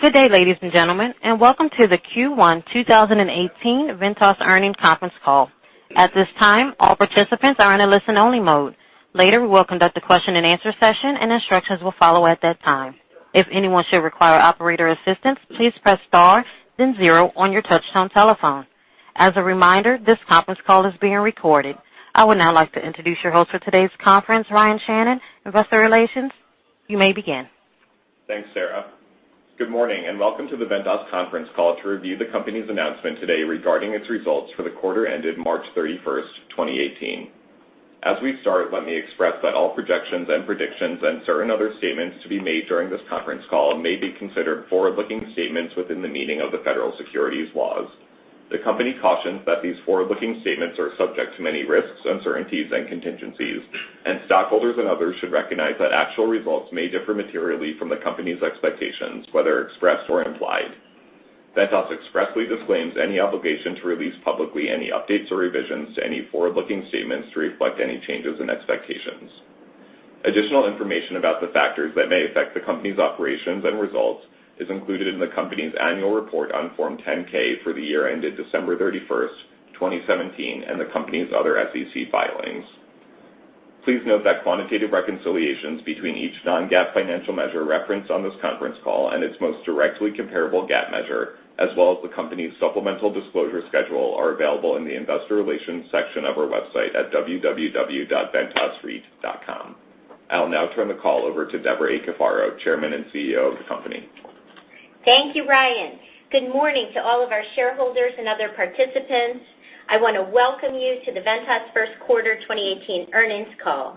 Good day, ladies and gentlemen, and welcome to the Q1 2018 Ventas Earnings Conference Call. At this time, all participants are in a listen-only mode. Later, we will conduct a question and answer session, and instructions will follow at that time. If anyone should require operator assistance, please press star then zero on your touch-tone telephone. As a reminder, this conference call is being recorded. I would now like to introduce your host for today's conference, Ryan Sheehan, investor relations. You may begin. Thanks, Sarah. Good morning, and welcome to the Ventas conference call to review the company's announcement today regarding its results for the quarter ended March 31st, 2018. As we start, let me express that all projections and predictions and certain other statements to be made during this conference call may be considered forward-looking statements within the meaning of the federal securities laws. The company cautions that these forward-looking statements are subject to many risks, uncertainties, and contingencies, and stockholders and others should recognize that actual results may differ materially from the company's expectations, whether expressed or implied. Ventas expressly disclaims any obligation to release publicly any updates or revisions to any forward-looking statements to reflect any changes in expectations. Additional information about the factors that may affect the company's operations and results is included in the company's annual report on Form 10-K for the year ended December 31st, 2017, and the company's other SEC filings. Please note that quantitative reconciliations between each non-GAAP financial measure referenced on this conference call and its most directly comparable GAAP measure, as well as the company's supplemental disclosure schedule, are available in the investor relations section of our website at www.ventasreit.com. I'll now turn the call over to Debra Cafaro, Chairman and CEO of the company. Thank you, Ryan. Good morning to all of our shareholders and other participants. I want to welcome you to the Ventas first quarter 2018 earnings call.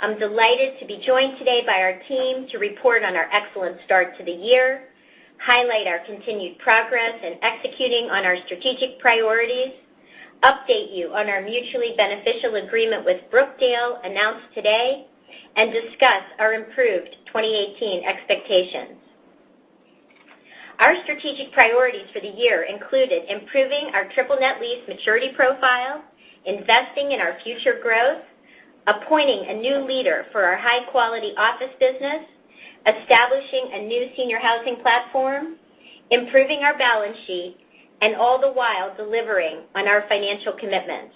I'm delighted to be joined today by our team to report on our excellent start to the year, highlight our continued progress in executing on our strategic priorities, update you on our mutually beneficial agreement with Brookdale announced today, and discuss our improved 2018 expectations. Our strategic priorities for the year included improving our triple net lease maturity profile, investing in our future growth, appointing a new leader for our high-quality office business, establishing a new senior housing platform, improving our balance sheet, and all the while delivering on our financial commitments.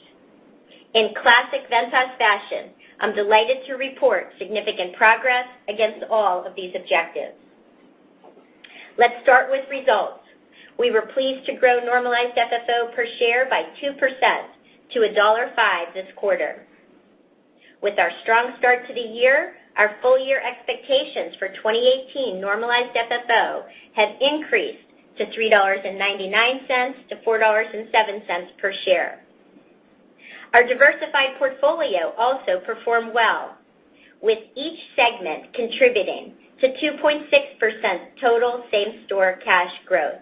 In classic Ventas fashion, I'm delighted to report significant progress against all of these objectives. Let's start with results. We were pleased to grow normalized FFO per share by 2% to $1.5 this quarter. With our strong start to the year, our full-year expectations for 2018 normalized FFO have increased to $3.99-$4.07 per share. Our diversified portfolio also performed well, with each segment contributing to 2.6% total same-store cash growth.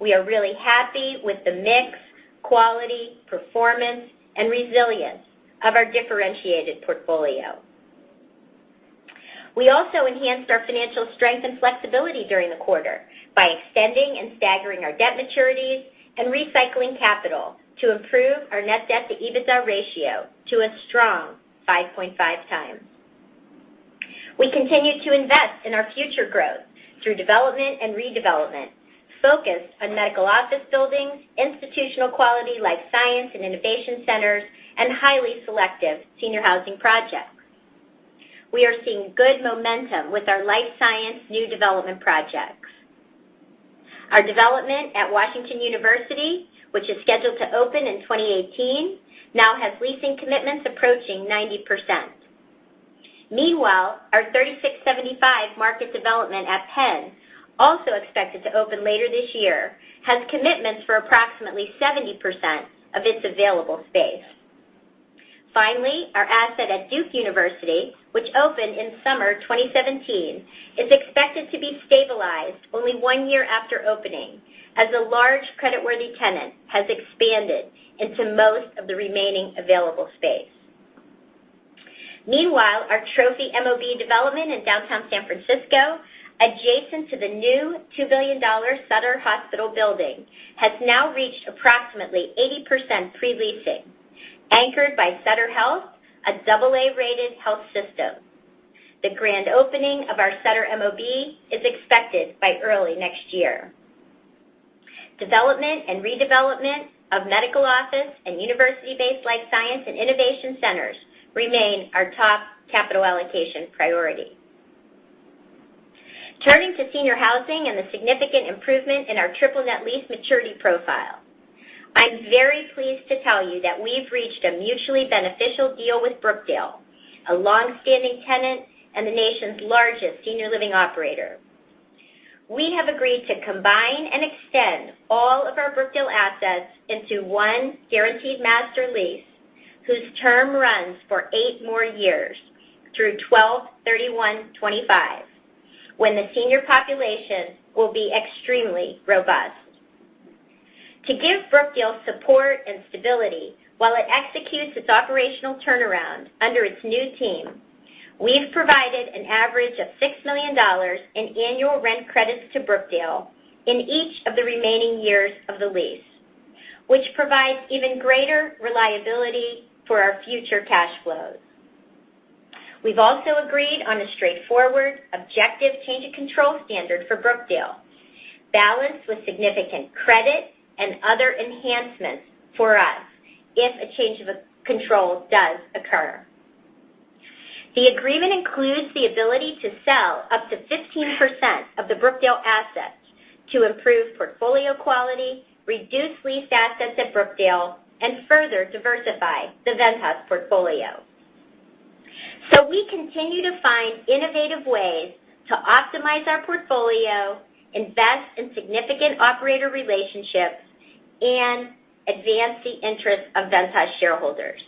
We are really happy with the mix, quality, performance, and resilience of our differentiated portfolio. We also enhanced our financial strength and flexibility during the quarter by extending and staggering our debt maturities and recycling capital to improve our net debt to EBITDA ratio to a strong 5.5 times. We continue to invest in our future growth through development and redevelopment focused on medical office buildings, institutional quality life science and innovation centers, and highly selective senior housing projects. We are seeing good momentum with our life science new development projects. Our development at Washington University, which is scheduled to open in 2018, now has leasing commitments approaching 90%. Meanwhile, our 3675 Market development at Penn, also expected to open later this year, has commitments for approximately 70% of its available space. Finally, our asset at Duke University, which opened in summer 2017, is expected to be stabilized only one year after opening as a large creditworthy tenant has expanded into most of the remaining available space. Meanwhile, our trophy MOB development in downtown San Francisco, adjacent to the new $2 billion Sutter Hospital building, has now reached approximately 80% pre-leasing, anchored by Sutter Health, a double A-rated health system. The grand opening of our Sutter MOB is expected by early next year. Development and redevelopment of medical office and university-based life science and innovation centers remain our top capital allocation priority. Turning to senior housing and the significant improvement in our triple net lease maturity profile. I'm very pleased to tell you that we've reached a mutually beneficial deal with Brookdale, a long-standing tenant and the nation's largest senior living operator. We have agreed to combine and extend all of our Brookdale assets into one guaranteed master lease, whose term runs for eight more years through 12/31/2025, when the senior population will be extremely robust. To give Brookdale support and stability while it executes its operational turnaround under its new team, we've provided an average of $6 million in annual rent credits to Brookdale in each of the remaining years of the lease, which provides even greater reliability for our future cash flows. We've also agreed on a straightforward, objective change-of-control standard for Brookdale, balanced with significant credit and other enhancements for us if a change of control does occur. The agreement includes the ability to sell up to 15% of the Brookdale assets to improve portfolio quality, reduce leased assets at Brookdale, and further diversify the Ventas portfolio. We continue to find innovative ways to optimize our portfolio, invest in significant operator relationships, and advance the interests of Ventas shareholders.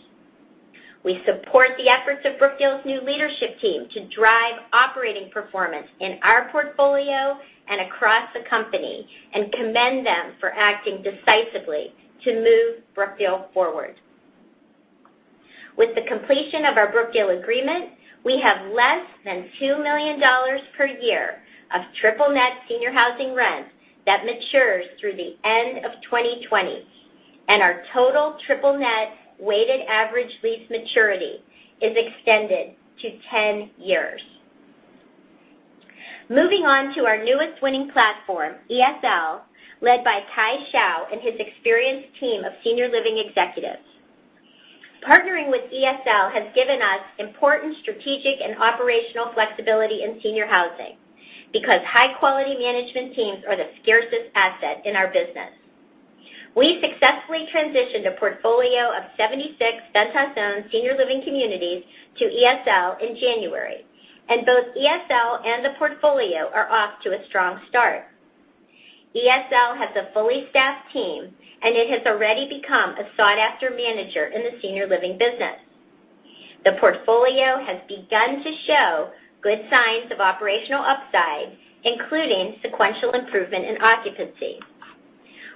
We support the efforts of Brookdale's new leadership team to drive operating performance in our portfolio and across the company, and commend them for acting decisively to move Brookdale forward. With the completion of our Brookdale agreement, we have less than $2 million per year of triple-net senior housing rent that matures through the end of 2020, and our total triple-net weighted average lease maturity is extended to 10 years. Moving on to our newest winning platform, ESL, led by Kai Hsiao and his experienced team of senior living executives. Partnering with ESL has given us important strategic and operational flexibility in senior housing, because high-quality management teams are the scarcest asset in our business. We successfully transitioned a portfolio of 76 Ventas-owned senior living communities to ESL in January, and both ESL and the portfolio are off to a strong start. ESL has a fully staffed team, and it has already become a sought-after manager in the senior living business. The portfolio has begun to show good signs of operational upside, including sequential improvement in occupancy.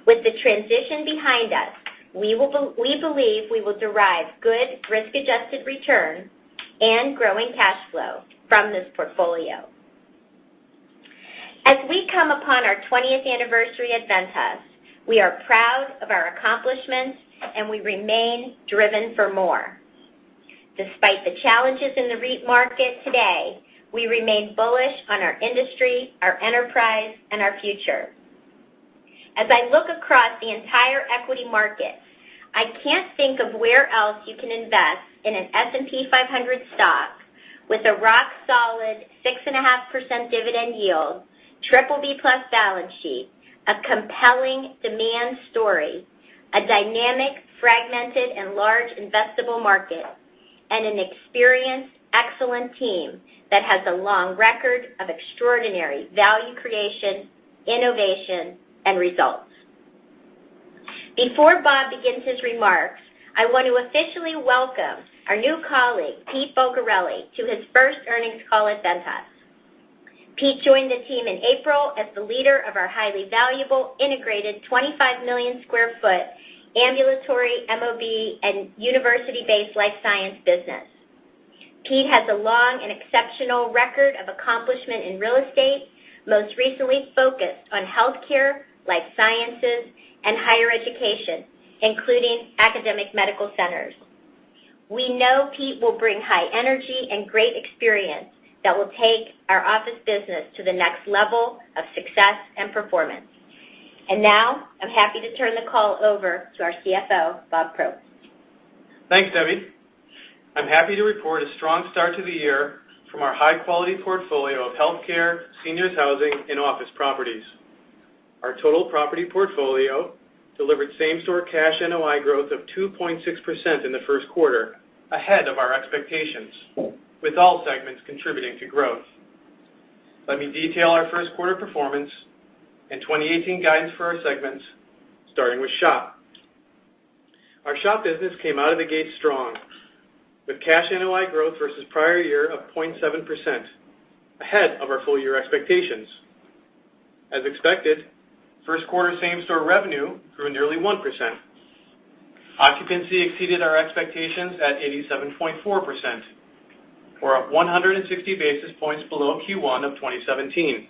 With the transition behind us, we believe we will derive good risk-adjusted return and growing cash flow from this portfolio. As we come upon our 20th anniversary at Ventas, we are proud of our accomplishments, and we remain driven for more. Despite the challenges in the REIT market today, we remain bullish on our industry, our enterprise, and our future. As I look across the entire equity market, I can't think of where else you can invest in an S&P 500 stock with a rock-solid 6.5% dividend yield, triple B-plus balance sheet, a compelling demand story, a dynamic, fragmented, and large investable market, and an experienced, excellent team that has a long record of extraordinary value creation, innovation, and results. Before Bob begins his remarks, I want to officially welcome our new colleague, Pete Bulgarelli, to his first earnings call at Ventas. Pete joined the team in April as the leader of our highly valuable, integrated, 25-million-square-foot ambulatory, MOB, and university-based life science business. Pete has a long and exceptional record of accomplishment in real estate, most recently focused on healthcare, life sciences, and higher education, including academic medical centers. We know Pete will bring high energy and great experience that will take our office business to the next level of success and performance. Now, I'm happy to turn the call over to our CFO, Bob Probst. Thanks, Debbie. I'm happy to report a strong start to the year from our high-quality portfolio of healthcare, seniors housing, and office properties. Our total property portfolio delivered same-store cash NOI growth of 2.6% in the first quarter, ahead of our expectations, with all segments contributing to growth. Let me detail our first quarter performance and 2018 guidance for our segments, starting with SHOP. Our SHOP business came out of the gate strong, with cash NOI growth versus prior year of 0.7%, ahead of our full-year expectations. As expected, first quarter same-store revenue grew nearly 1%. Occupancy exceeded our expectations at 87.4%, or up 160 basis points below Q1 of 2017.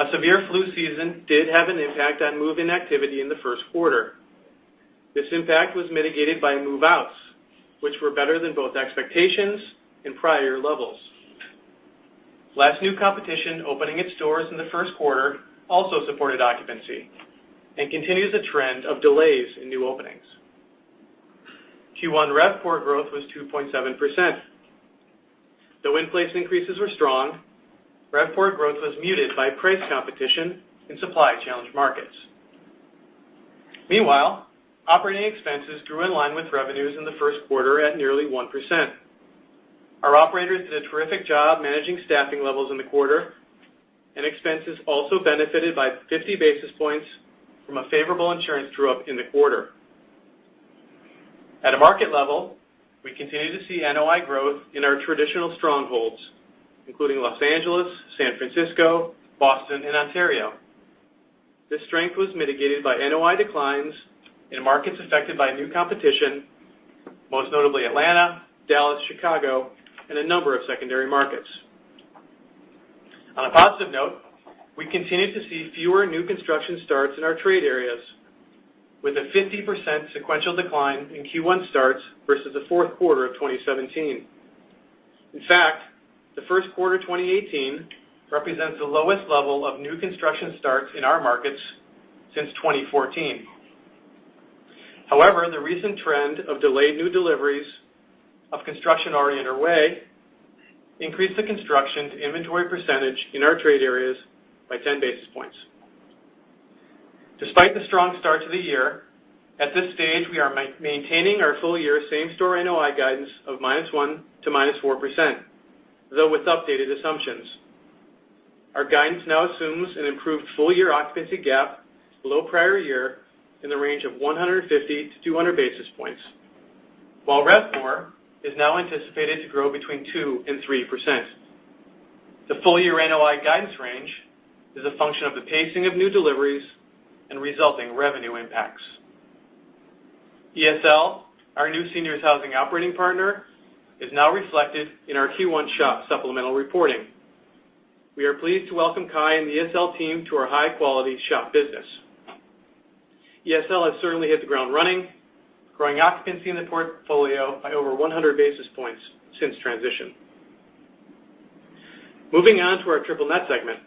A severe flu season did have an impact on move-in activity in the first quarter. This impact was mitigated by move-outs, which were better than both expectations and prior levels. Less new competition opening its doors in the first quarter also supported occupancy and continues a trend of delays in new openings. Q1 RevPAR growth was 2.7%. Though win placement increases were strong, RevPAR growth was muted by price competition in supply-challenged markets. Meanwhile, operating expenses grew in line with revenues in the first quarter at nearly 1%. Our operators did a terrific job managing staffing levels in the quarter, and expenses also benefited by 50 basis points from a favorable insurance true-up in the quarter. At a market level, we continue to see NOI growth in our traditional strongholds, including Los Angeles, San Francisco, Boston, and Ontario. This strength was mitigated by NOI declines in markets affected by new competition, most notably Atlanta, Dallas, Chicago, and a number of secondary markets. On a positive note, we continue to see fewer new construction starts in our trade areas, with a 50% sequential decline in Q1 starts versus the fourth quarter of 2017. In fact, the first quarter 2018 represents the lowest level of new construction starts in our markets since 2014. However, the recent trend of delayed new deliveries of construction already underway increased the construction to inventory percentage in our trade areas by 10 basis points. Despite the strong start to the year, at this stage, we are maintaining our full-year same store NOI guidance of -1% to -4%, though with updated assumptions. Our guidance now assumes an improved full-year occupancy gap below prior year in the range of 150 to 200 basis points, while RevPAR is now anticipated to grow between 2% and 3%. The full-year NOI guidance range is a function of the pacing of new deliveries and resulting revenue impacts. ESL, our new seniors housing operating partner, is now reflected in our Q1 SHOP supplemental reporting. We are pleased to welcome Kai and the ESL team to our high-quality SHOP business. ESL has certainly hit the ground running, growing occupancy in the portfolio by over 100 basis points since transition. Moving on to our triple net segment.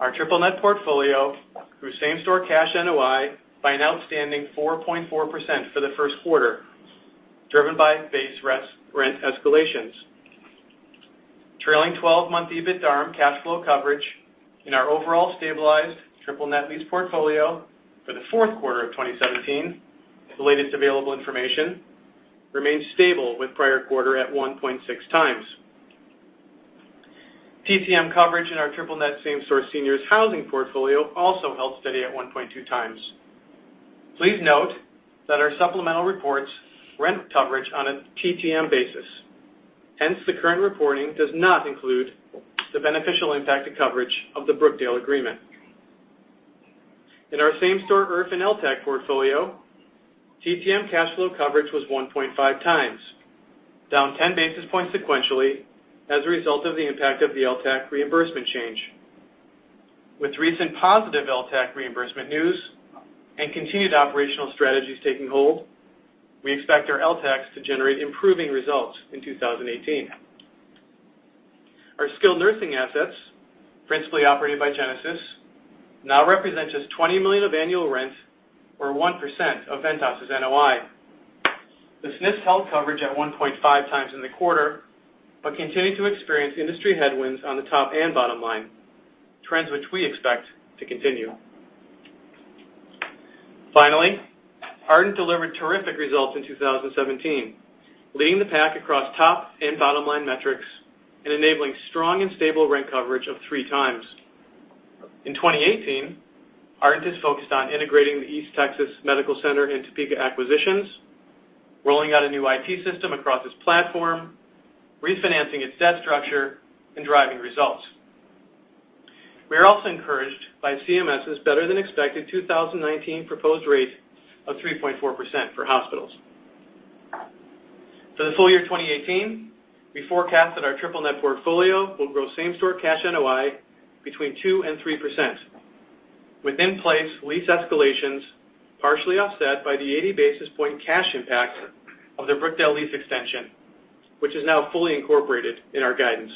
Our triple net portfolio grew same-store cash NOI by an outstanding 4.4% for the first quarter, driven by base rent escalations. Trailing 12-month EBITDAARM cash flow coverage in our overall stabilized triple net lease portfolio for the fourth quarter of 2017, the latest available information, remains stable with prior quarter at 1.6 times. TTM coverage in our triple net same store seniors housing portfolio also held steady at 1.2 times. Please note that our supplemental reports rent coverage on a TTM basis. Hence, the current reporting does not include the beneficial impact to coverage of the Brookdale agreement. In our same store IRF and LTAC portfolio, TTM cash flow coverage was 1.5 times, down 10 basis points sequentially as a result of the impact of the LTAC reimbursement change. With recent positive LTAC reimbursement news and continued operational strategies taking hold, we expect our LTACs to generate improving results in 2018. Our skilled nursing assets, principally operated by Genesis, now represent just $20 million of annual rent or 1% of Ventas' NOI. The SNFs held coverage at 1.5 times in the quarter but continued to experience industry headwinds on the top and bottom line, trends which we expect to continue. Ardent delivered terrific results in 2017, leading the pack across top and bottom-line metrics and enabling strong and stable rent coverage of 3 times. In 2018, Ardent is focused on integrating the East Texas Medical Center and Topeka acquisitions, rolling out a new IT system across its platform, refinancing its debt structure, and driving results. We are also encouraged by CMS' better-than-expected 2019 proposed rate of 3.4% for hospitals. For the full year 2018, we forecast that our triple net portfolio will grow same store cash NOI between 2% and 3%, with in-place lease escalations partially offset by the 80 basis point cash impact of the Brookdale lease extension, which is now fully incorporated in our guidance.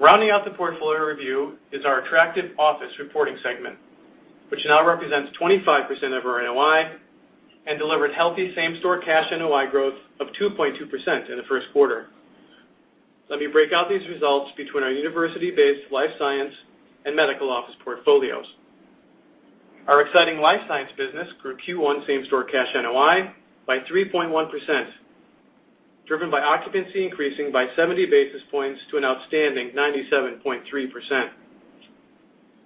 Rounding out the portfolio review is our attractive office reporting segment, which now represents 25% of our NOI and delivered healthy same store cash NOI growth of 2.2% in the first quarter. Let me break out these results between our university-based life science and medical office portfolios. Our exciting life science business grew Q1 same store cash NOI by 3.1%, driven by occupancy increasing by 70 basis points to an outstanding 97.3%.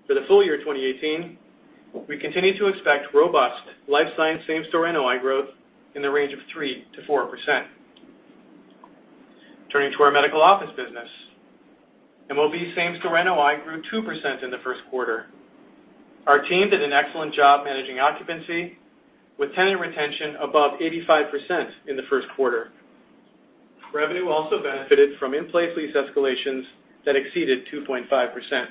For the full year 2018, we continue to expect robust life science same-store NOI growth in the range of 3%-4%. Turning to our medical office business, MOB same-store NOI grew 2% in the first quarter. Our team did an excellent job managing occupancy, with tenant retention above 85% in the first quarter. Revenue also benefited from in-place lease escalations that exceeded 2.5%.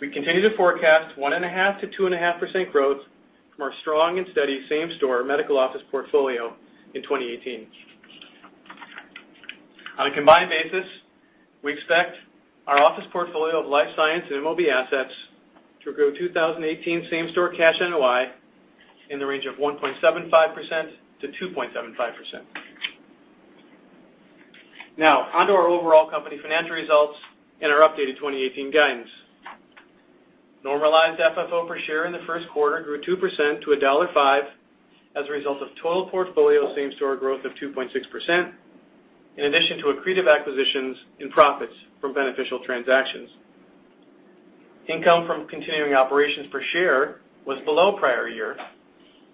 We continue to forecast 1.5%-2.5% growth from our strong and steady same-store medical office portfolio in 2018. On a combined basis, we expect our office portfolio of life science and MOB assets to grow 2018 same-store cash NOI in the range of 1.75%-2.75%. On to our overall company financial results and our updated 2018 guidance. Normalized FFO per share in the first quarter grew 2% to $1.5 as a result of total portfolio same-store growth of 2.6%, in addition to accretive acquisitions and profits from beneficial transactions. Income from continuing operations per share was below prior year,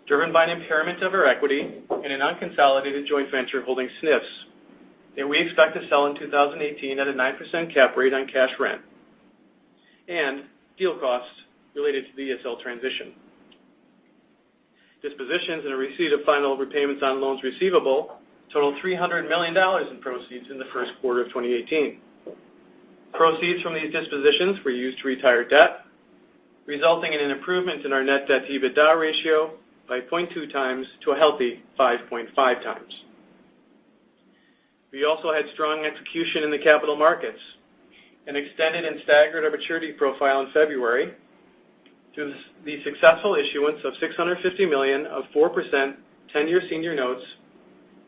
driven by an impairment of our equity in an unconsolidated joint venture holding SNFs that we expect to sell in 2018 at a 9% cap rate on cash rent, and deal costs related to the ESL transition. Dispositions and receipt of final repayments on loans receivable totaled $300 million in proceeds in the first quarter of 2018. Proceeds from these dispositions were used to retire debt, resulting in an improvement in our net debt-to-EBITDA ratio by 0.2 times to a healthy 5.5 times. We also had strong execution in the capital markets and extended and staggered our maturity profile in February through the successful issuance of $650 million of 4% 10-year senior notes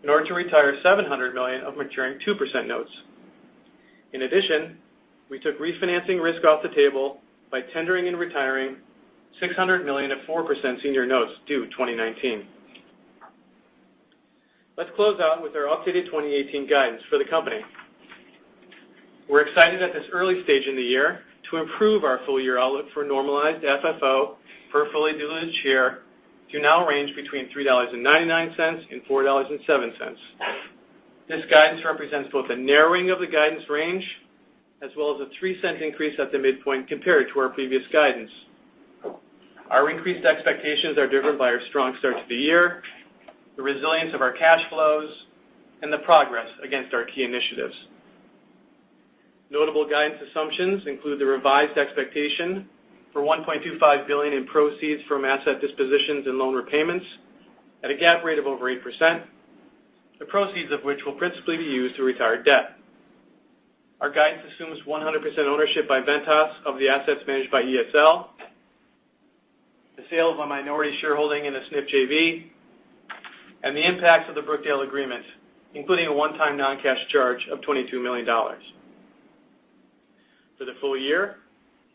in order to retire $700 million of maturing 2% notes. In addition, we took refinancing risk off the table by tendering and retiring $600 million of 4% senior notes due 2019. Let's close out with our updated 2018 guidance for the company. We're excited at this early stage in the year to improve our full-year outlook for normalized FFO for a fully diluted share to now range between $3.99 and $4.07. This guidance represents both a narrowing of the guidance range, as well as a $0.03 increase at the midpoint compared to our previous guidance. Our increased expectations are driven by our strong start to the year, the resilience of our cash flows, and the progress against our key initiatives. Notable guidance assumptions include the revised expectation for $1.25 billion in proceeds from asset dispositions and loan repayments at a GAAP rate of over 8%, the proceeds of which will principally be used to retire debt. Our guidance assumes 100% ownership by Ventas of the assets managed by ESL, the sale of our minority shareholding in the SNF JV, and the impacts of the Brookdale agreement, including a one-time non-cash charge of $22 million. For the full year,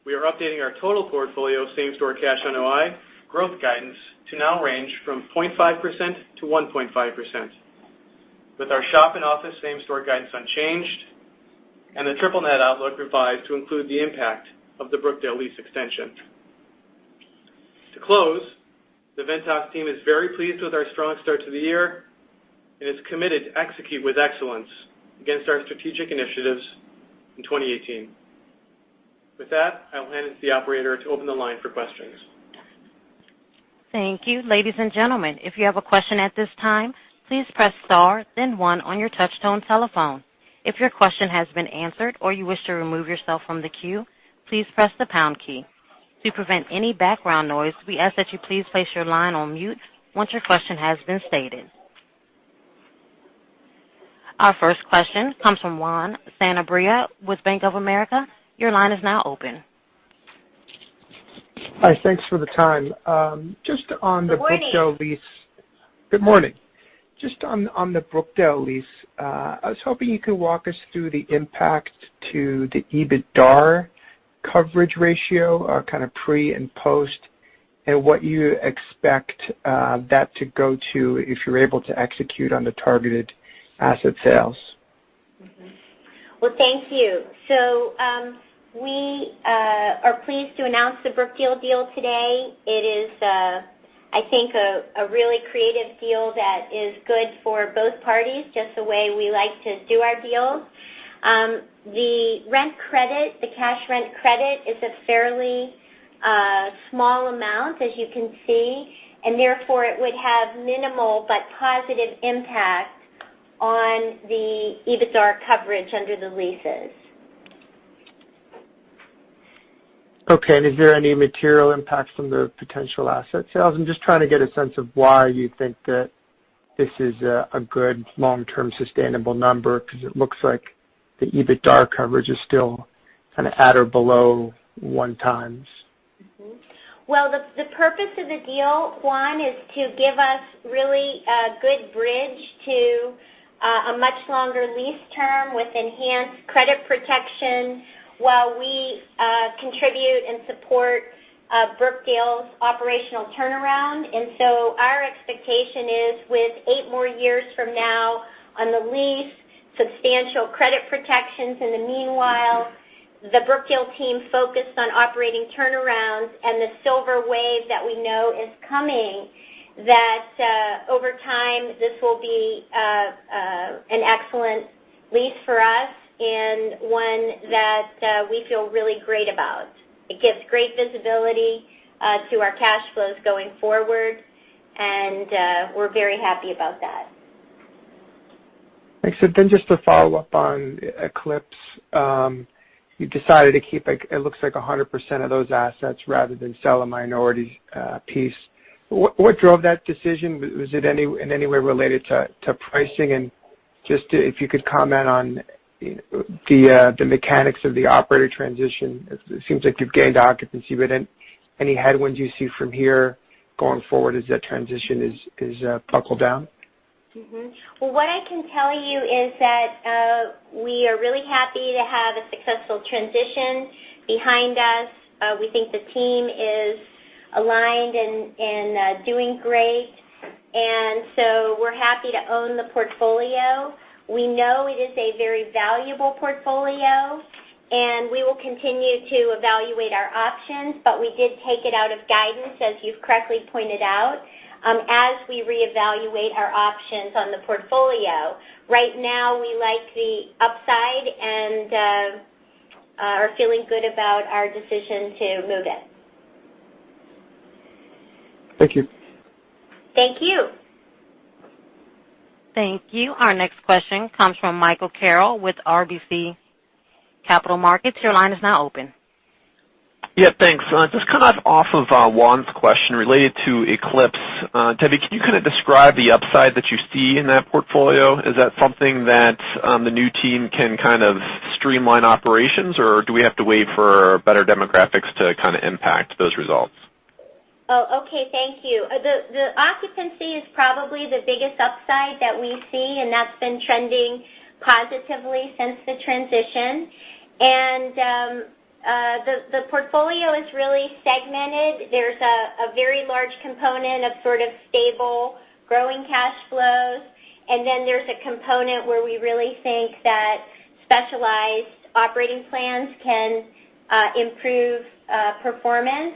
we are updating our total portfolio same store cash NOI growth guidance to now range from 0.5%-1.5%, with our SHOP and office same store guidance unchanged and the triple net outlook revised to include the impact of the Brookdale lease extension. To close, the Ventas team is very pleased with our strong start to the year and is committed to execute with excellence against our strategic initiatives in 2018. With that, I will hand it to the operator to open the line for questions. Thank you. Ladies and gentlemen, if you have a question at this time, please press star then one on your touchtone telephone. If your question has been answered or you wish to remove yourself from the queue, please press the pound key. To prevent any background noise, we ask that you please place your line on mute once your question has been stated. Our first question comes from Juan Sanabria with Bank of America. Your line is now open. Hi. Thanks for the time. Good morning Brookdale lease. Good morning. Just on the Brookdale lease, I was hoping you could walk us through the impact to the EBITDA coverage ratio, kind of pre and post, and what you expect that to go to if you're able to execute on the targeted asset sales. Thank you. We are pleased to announce the Brookdale deal today. It is, I think, a really creative deal that is good for both parties, just the way we like to do our deals. The rent credit, the cash rent credit is a fairly small amount, as you can see, and therefore it would have minimal but positive impact on the EBITDA coverage under the leases. Okay. Is there any material impact from the potential asset sales? I'm just trying to get a sense of why you think that this is a good long-term sustainable number, because it looks like the EBITDA coverage is still kind of at or below one times. Well, the purpose of the deal, Juan, is to give us really a good bridge to a much longer lease term with enhanced credit protection while we contribute and support Brookdale's operational turnaround. Our expectation is with eight more years from now on the lease, substantial credit protections in the meanwhile, the Brookdale team focused on operating turnarounds, and the silver wave that we know is coming, that over time, this will be an excellent lease for us and one that we feel really great about. It gives great visibility to our cash flows going forward, we're very happy about that. Thanks. Just to follow up on Eclipse. You decided to keep, it looks like, 100% of those assets rather than sell a minority piece. What drove that decision? Was it in any way related to pricing? Just if you could comment on the mechanics of the operator transition. It seems like you've gained occupancy, any headwinds you see from here going forward as that transition is buckled down? Well, what I can tell you is that we are really happy to have a successful transition behind us. We think the team is aligned and doing great. We're happy to own the portfolio. We know it is a very valuable portfolio, we will continue to evaluate our options. We did take it out of guidance, as you've correctly pointed out, as we reevaluate our options on the portfolio. Right now, we like the upside and are feeling good about our decision to move it. Thank you. Thank you. Thank you. Our next question comes from Michael Carroll with RBC Capital Markets. Your line is now open. Yeah, thanks. Just kind of off of Juan's question related to Eclipse. Debbie, can you kind of describe the upside that you see in that portfolio? Is that something that the new team can kind of streamline operations, or do we have to wait for better demographics to kind of impact those results? Okay. Thank you. The occupancy is probably the biggest upside that we see, that's been trending positively since the transition. The portfolio is really segmented. There's a very large component of sort of stable growing cash flows, and then there's a component where we really think that specialized operating plans can improve performance.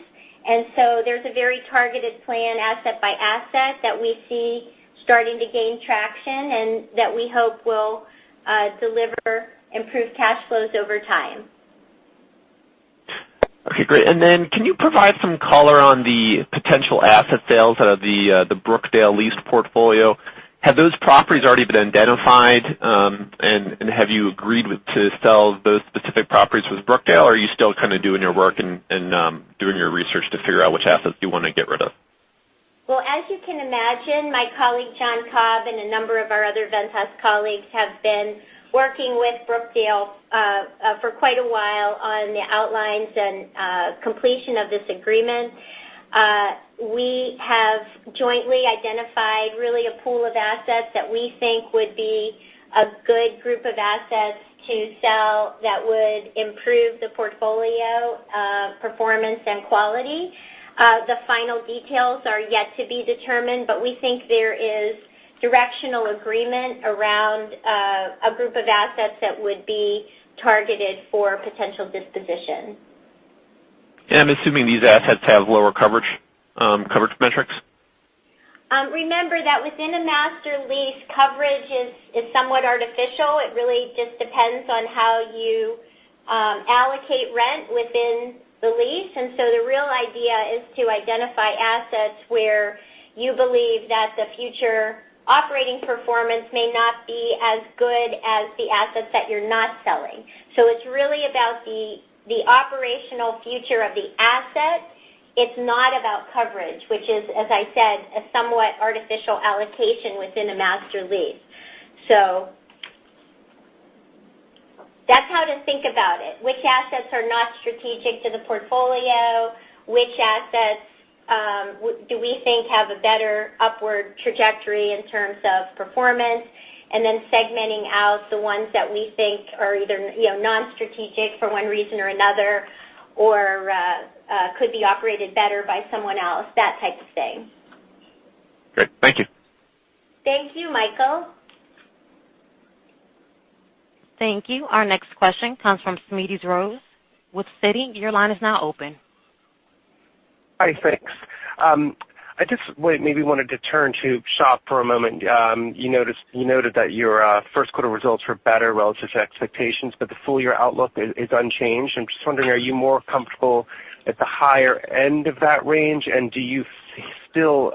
There's a very targeted plan, asset by asset, that we see starting to gain traction and that we hope will deliver improved cash flows over time. Okay, great. Can you provide some color on the potential asset sales out of the Brookdale lease portfolio? Have those properties already been identified, and have you agreed to sell those specific properties with Brookdale, or are you still kind of doing your work and doing your research to figure out which assets you want to get rid of? Well, as you can imagine, my colleague John Cobb and a number of our other Ventas colleagues have been working with Brookdale for quite a while on the outlines and completion of this agreement. We have jointly identified really a pool of assets that we think would be a good group of assets to sell that would improve the portfolio performance and quality. The final details are yet to be determined, we think there is directional agreement around a group of assets that would be targeted for potential disposition. I'm assuming these assets have lower coverage metrics. Remember that within a master lease, coverage is somewhat artificial. It really just depends on how you allocate rent within the lease. The real idea is to identify assets where you believe that the future operating performance may not be as good as the assets that you're not selling. It's really about the operational future of the asset. It's not about coverage, which is, as I said, a somewhat artificial allocation within a master lease. That's how to think about it. Which assets are not strategic to the portfolio? Which assets do we think have a better upward trajectory in terms of performance? Segmenting out the ones that we think are either non-strategic for one reason or another or could be operated better by someone else, that type of thing. Great. Thank you. Thank you, Michael. Thank you. Our next question comes from Smedes Rose with Citi. Your line is now open. Hi, thanks. I just maybe wanted to turn to SHOP for a moment. You noted that your first quarter results were better relative to expectations, but the full-year outlook is unchanged. I'm just wondering, are you more comfortable at the higher end of that range, and do you still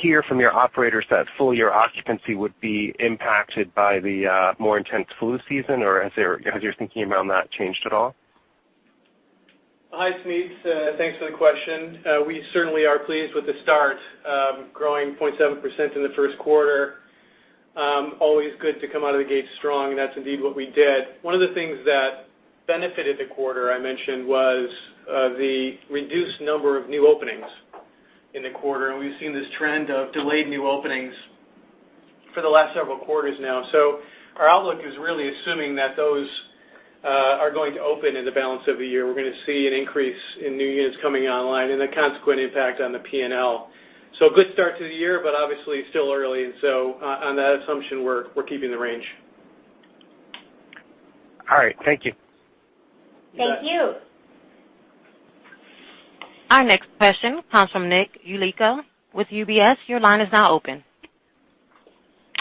hear from your operators that full-year occupancy would be impacted by the more intense flu season, or has your thinking around that changed at all? Hi, Smedes. Thanks for the question. We certainly are pleased with the start, growing 0.7% in the first quarter. Always good to come out of the gate strong, and that's indeed what we did. One of the things that benefited the quarter I mentioned was the reduced number of new openings in the quarter, and we've seen this trend of delayed new openings for the last several quarters now. Our outlook is really assuming that those are going to open in the balance of the year. We're going to see an increase in new units coming online and a consequent impact on the P&L. A good start to the year, but obviously still early. On that assumption, we're keeping the range. All right. Thank you. Thank you. Our next question comes from Nick Yulico with UBS. Your line is now open.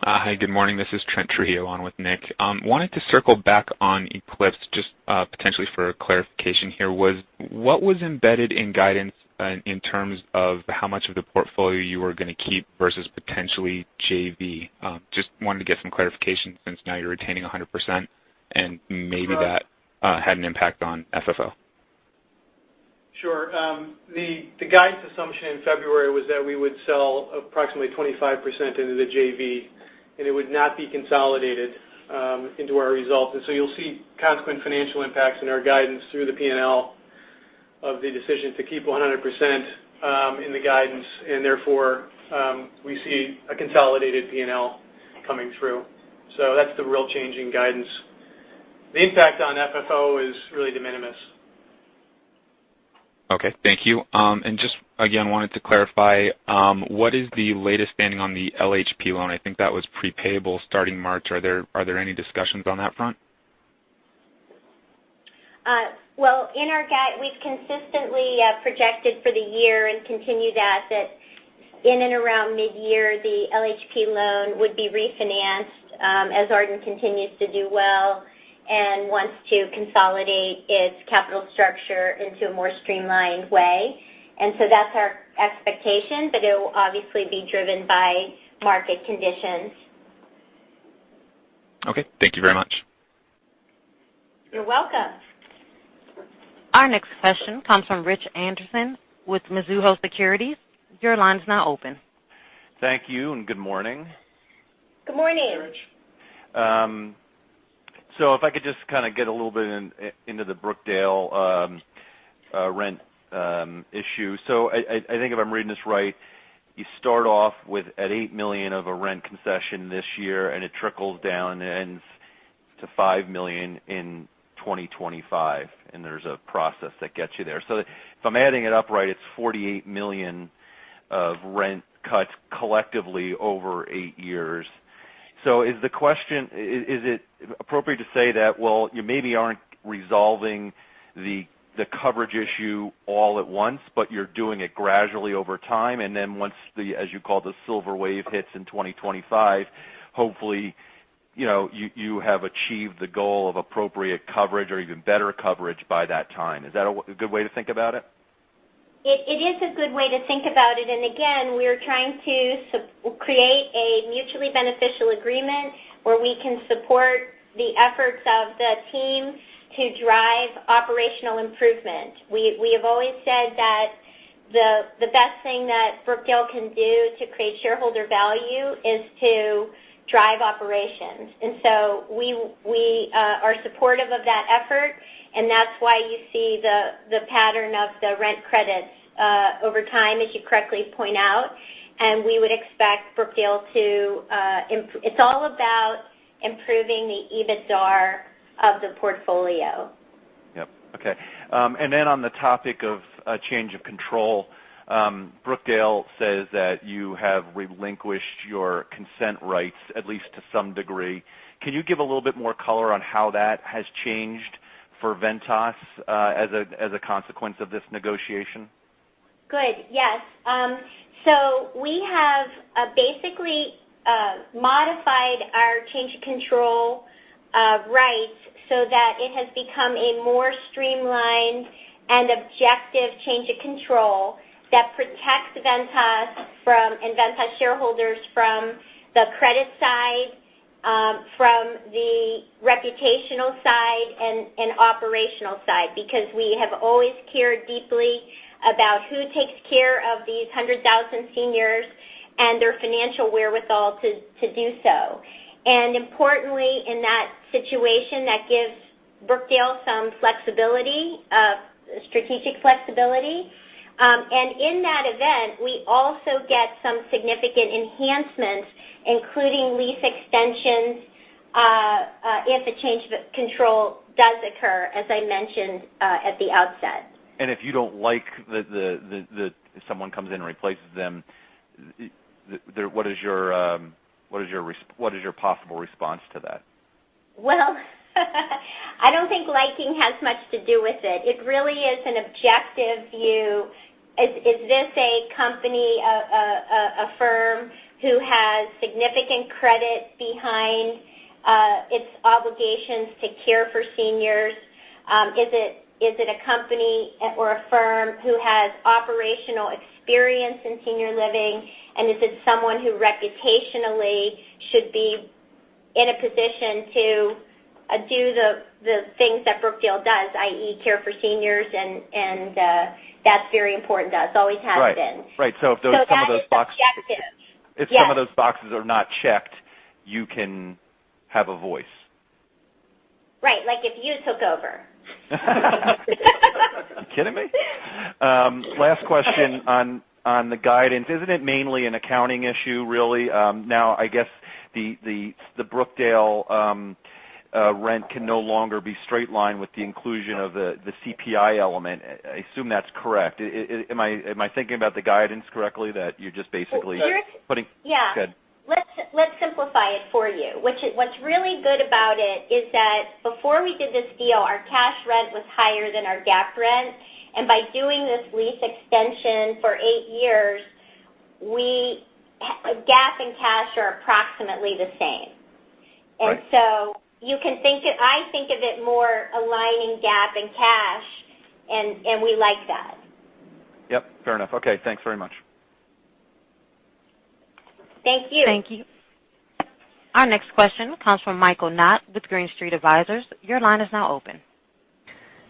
Hi, good morning. This is Trent Trujillo on with Nick. Wanted to circle back on Eclipse, potentially for clarification here. What was embedded in guidance in terms of how much of the portfolio you were going to keep versus potentially JV? Wanted to get some clarification since now you're retaining 100% and maybe that had an impact on FFO. Sure. The guidance assumption in February was that we would sell approximately 25% into the JV, and it would not be consolidated into our results. You'll see consequent financial impacts in our guidance through the P&L of the decision to keep 100% in the guidance, and therefore, we see a consolidated P&L coming through. That's the real change in guidance. The impact on FFO is really de minimis. Okay. Thank you. Again, wanted to clarify, what is the latest standing on the LHP loan? I think that was prepayable starting March. Are there any discussions on that front? In our guide, we've consistently projected for the year and continued as that In and around mid-year, the LHP loan would be refinanced as Ardent continues to do well and wants to consolidate its capital structure into a more streamlined way. That's our expectation, but it will obviously be driven by market conditions. Okay, thank you very much. You're welcome. Our next question comes from Richard Anderson with Mizuho Securities. Your line's now open. Thank you and good morning. Good morning. If I could just kind of get a little bit into the Brookdale rent issue. I think if I'm reading this right, you start off with at $8 million of a rent concession this year, and it trickles down to $5 million in 2025, and there's a process that gets you there. If I'm adding it up right, it's $48 million of rent cuts collectively over eight years. Is it appropriate to say that, well, you maybe aren't resolving the coverage issue all at once, but you're doing it gradually over time, and then once the, as you call, the silver wave hits in 2025, hopefully, you have achieved the goal of appropriate coverage or even better coverage by that time. Is that a good way to think about it? It is a good way to think about it. Again, we're trying to create a mutually beneficial agreement where we can support the efforts of the team to drive operational improvement. We have always said that the best thing that Brookdale can do to create shareholder value is to drive operations. We are supportive of that effort, and that's why you see the pattern of the rent credits over time, as you correctly point out, and it's all about improving the EBITDAR of the portfolio. Yep. Okay. On the topic of change of control, Brookdale says that you have relinquished your consent rights, at least to some degree. Can you give a little bit more color on how that has changed for Ventas as a consequence of this negotiation? Yes. We have basically modified our change of control rights so that it has become a more streamlined and objective change of control that protects Ventas and Ventas shareholders from the credit side, from the reputational side and operational side. Because we have always cared deeply about who takes care of these 100,000 seniors and their financial wherewithal to do so. Importantly, in that situation, that gives Brookdale some strategic flexibility. In that event, we also get some significant enhancements, including lease extensions, if a change of control does occur, as I mentioned at the outset. If you don't like that someone comes in and replaces them, what is your possible response to that? Well, I don't think liking has much to do with it. It really is an objective view. Is this a company, a firm who has significant credit behind its obligations to care for seniors? Is it a company or a firm who has operational experience in senior living? Is it someone who reputationally should be in a position to do the things that Brookdale does, i.e. care for seniors and that's very important to us, always has been. Right. that is objective. Yes if some of those boxes are not checked, you can have a voice. Right. Like if you took over. You kidding me? Last question on the guidance. Isn't it mainly an accounting issue, really? Now, I guess the Brookdale rent can no longer be straight line with the inclusion of the CPI element. I assume that's correct. Am I thinking about the guidance correctly that you're just basically- Well, Yeah. Go ahead. Let's simplify it for you, which what's really good about it is that before we did this deal, our cash rent was higher than our GAAP rent. By doing this lease extension for eight years, GAAP and cash are approximately the same. Right. I think of it more aligning GAAP and cash, and we like that. Yep. Fair enough. Okay. Thanks very much. Thank you. Thank you. Our next question comes from Michael Knott with Green Street Advisors. Your line is now open.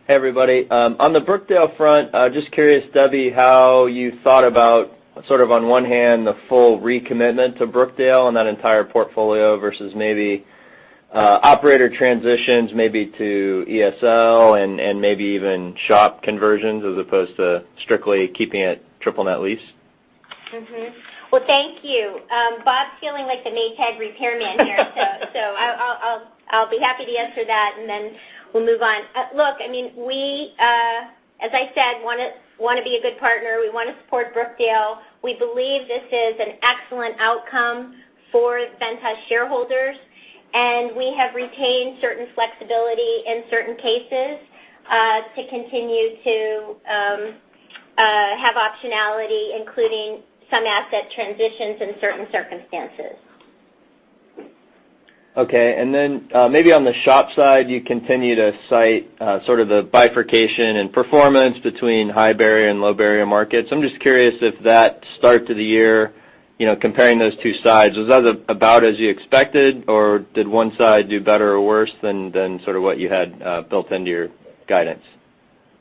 Hey, everybody. On the Brookdale front, just curious, Debbie, how you thought about sort of on one hand, the full recommitment to Brookdale and that entire portfolio versus maybe operator transitions, maybe to ESL, and maybe even SHOP conversions as opposed to strictly keeping it triple net lease? Well, thank you. Bob's feeling like the Maytag repairman here so I'll be happy to answer that, and then we'll move on. Look, as I said, we want to be a good partner. We want to support Brookdale. We believe this is an excellent outcome for Ventas shareholders, and we have retained certain flexibility in certain cases to continue to have optionality, including some asset transitions in certain circumstances. Okay. Maybe on the SHOP side, you continue to cite sort of the bifurcation in performance between high-barrier and low-barrier markets. I'm just curious if that start to the year, comparing those two sides, was that about as you expected, or did one side do better or worse than sort of what you had built into your guidance?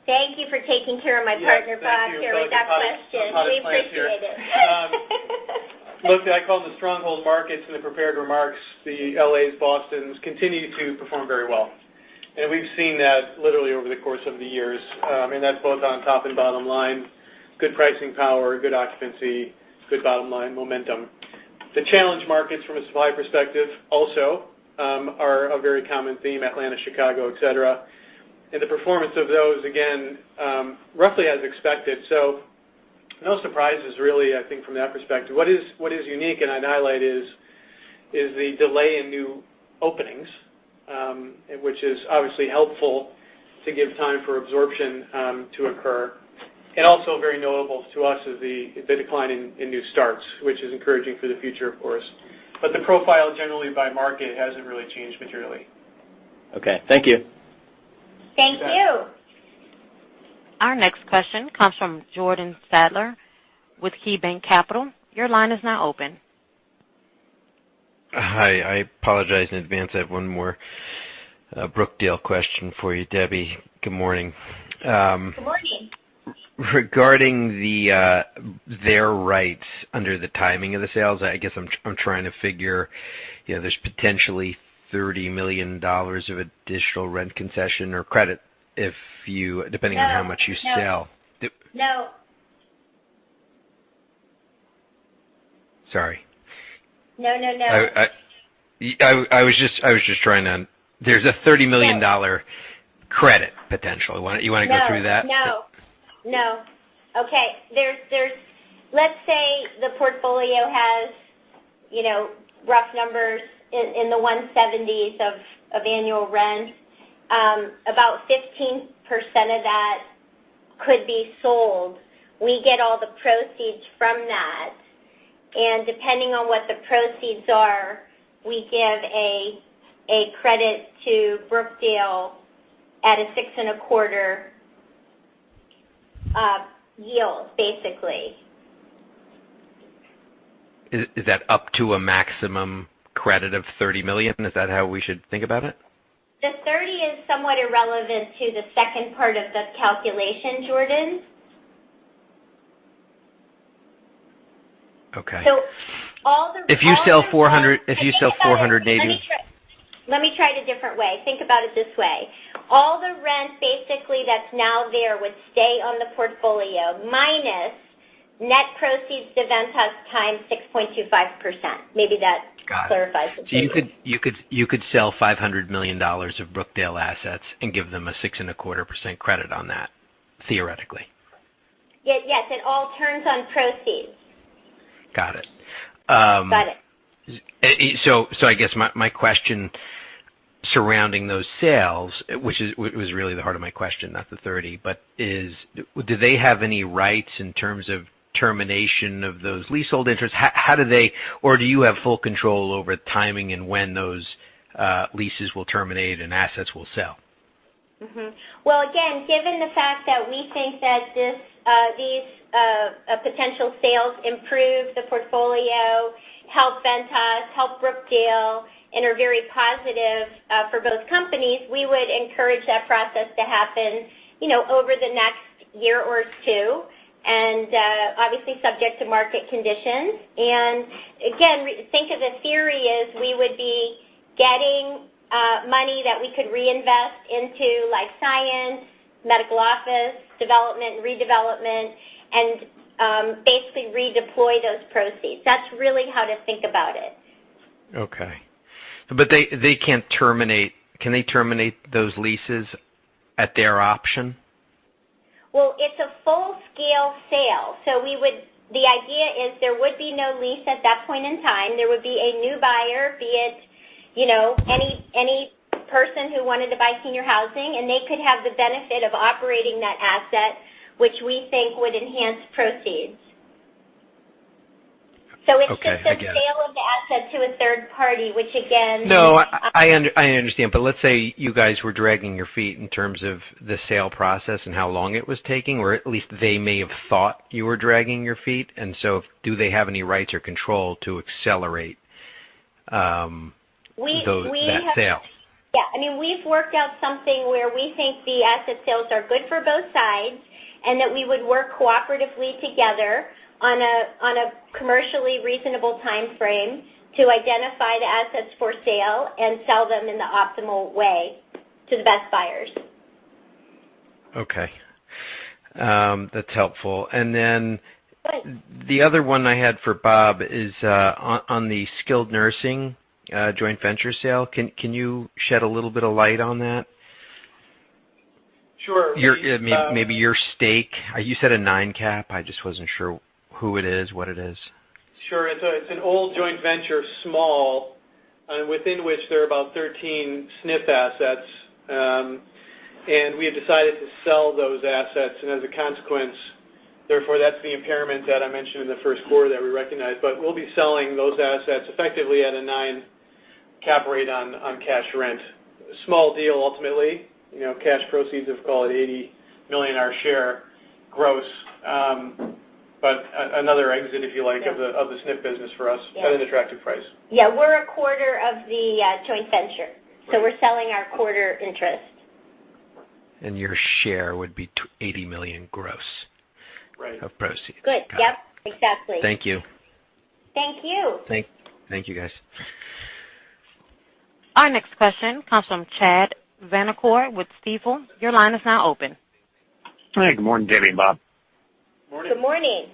Thank you for taking care of my partner Bob here with that question. Yes. Thank you. We appreciate it. Look, I called the stronghold markets in the prepared remarks, the L.A.s, Bostons, continue to perform very well. We've seen that literally over the course of the years. That's both on top and bottom line, good pricing power, good occupancy, good bottom-line momentum. The challenge markets from a supply perspective also are a very common theme, Atlanta, Chicago, et cetera. The performance of those, again, roughly as expected. No surprises really, I think from that perspective. What is unique, and I highlight is, the delay in new openings, which is obviously helpful to give time for absorption to occur. Also very notable to us is the decline in new starts, which is encouraging for the future, of course. The profile generally by market hasn't really changed materially. Okay. Thank you. Thank you. Our next question comes from Jordan Sadler with KeyBanc Capital. Your line is now open. Hi. I apologize in advance. I have one more Brookdale question for you, Debbie. Good morning. Good morning. Regarding their rights under the timing of the sales, I guess I'm trying to figure, there's potentially $30 million of additional rent concession or credit depending on how much you sell- No. Sorry. No. There's a $30 million. No credit potentially. You want to go through that? No. Okay. Let's say the portfolio has rough numbers in the 170s of annual rent. About 15% of that could be sold. We get all the proceeds from that, and depending on what the proceeds are, we give a credit to Brookdale at a six and a quarter yield, basically. Is that up to a maximum credit of $30 million? Is that how we should think about it? The 30 is somewhat irrelevant to the second part of the calculation, Jordan. Okay. So all the- If you sell Think about it. Let me try it a different way. Think about it this way. All the rent basically that's now there would stay on the portfolio minus net proceeds to Ventas times 6.25%. Maybe that clarifies it a little. Got it. You could sell $500 million of Brookdale assets and give them a 6.25% credit on that, theoretically. Yes. It all turns on proceeds. Got it. Got it. I guess my question surrounding those sales, which was really the heart of my question, not the 30, but do they have any rights in terms of termination of those leasehold interests? Or do you have full control over timing and when those leases will terminate and assets will sell? Well, again, given the fact that we think that these potential sales improve the portfolio, help Ventas, help Brookdale, and are very positive for both companies, we would encourage that process to happen over the next year or two, and obviously subject to market conditions. Again, think of the theory is we would be getting money that we could reinvest into life science, medical office development and redevelopment, and basically redeploy those proceeds. That's really how to think about it. Okay. They can't terminate. Can they terminate those leases at their option? Well, it's a full-scale sale. The idea is there would be no lease at that point in time. There would be a new buyer, be it any person who wanted to buy senior housing, and they could have the benefit of operating that asset, which we think would enhance proceeds. Okay. I get it. It's just the sale of the asset to a third party, which again. No, I understand. Let's say you guys were dragging your feet in terms of the sale process and how long it was taking, or at least they may have thought you were dragging your feet, do they have any rights or control to accelerate that sale? Yeah. We've worked out something where we think the asset sales are good for both sides, and that we would work cooperatively together on a commercially reasonable timeframe to identify the assets for sale and sell them in the optimal way to the best buyers. Okay. That's helpful. Good The other one I had for Bob is on the skilled nursing joint venture sale. Can you shed a little bit of light on that? Sure. Maybe your stake. You said a nine cap. I just wasn't sure who it is, what it is. Sure. It's an old joint venture, small, within which there are about 13 SNF assets. We have decided to sell those assets, and as a consequence, therefore, that's the impairment that I mentioned in the first quarter that we recognized. We'll be selling those assets effectively at a nine cap rate on cash rent. Small deal, ultimately. Cash proceeds of, call it, $80 million our share gross. Another exit, if you like, of the SNF business for us at an attractive price. Yeah. We're a quarter of the joint venture. We're selling our quarter interest. Your share would be $80 million gross- Right of proceeds. Got it. Good. Yep, exactly. Thank you. Thank you. Thank you, guys. Our next question comes from Chad Vanacore with Stifel. Your line is now open. Hi, good morning, Debbie and Bob. Morning. Good morning.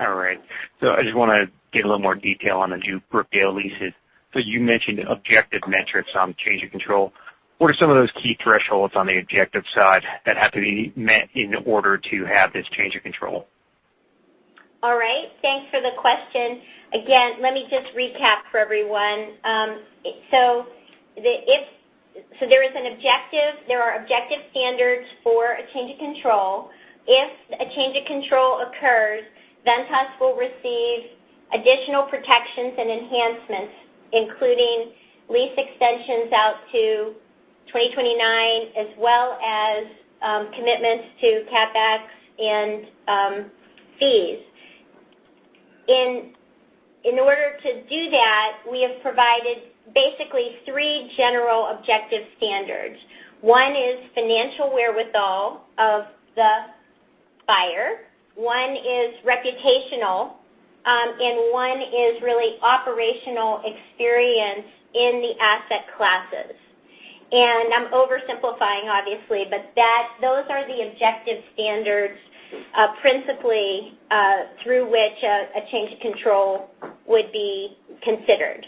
All right. I just want to get a little more detail on the two Brookdale leases. You mentioned objective metrics on change of control. What are some of those key thresholds on the objective side that have to be met in order to have this change of control? All right. Thanks for the question. Again, let me just recap for everyone. There are objective standards for a change of control. If a change of control occurs, Ventas will receive additional protections and enhancements, including lease extensions out to 2029, as well as commitments to CapEx and fees. In order to do that, we have provided basically three general objective standards. One is financial wherewithal of the buyer, one is reputational, and one is really operational experience in the asset classes. I'm oversimplifying, obviously, but those are the objective standards, principally, through which a change of control would be considered.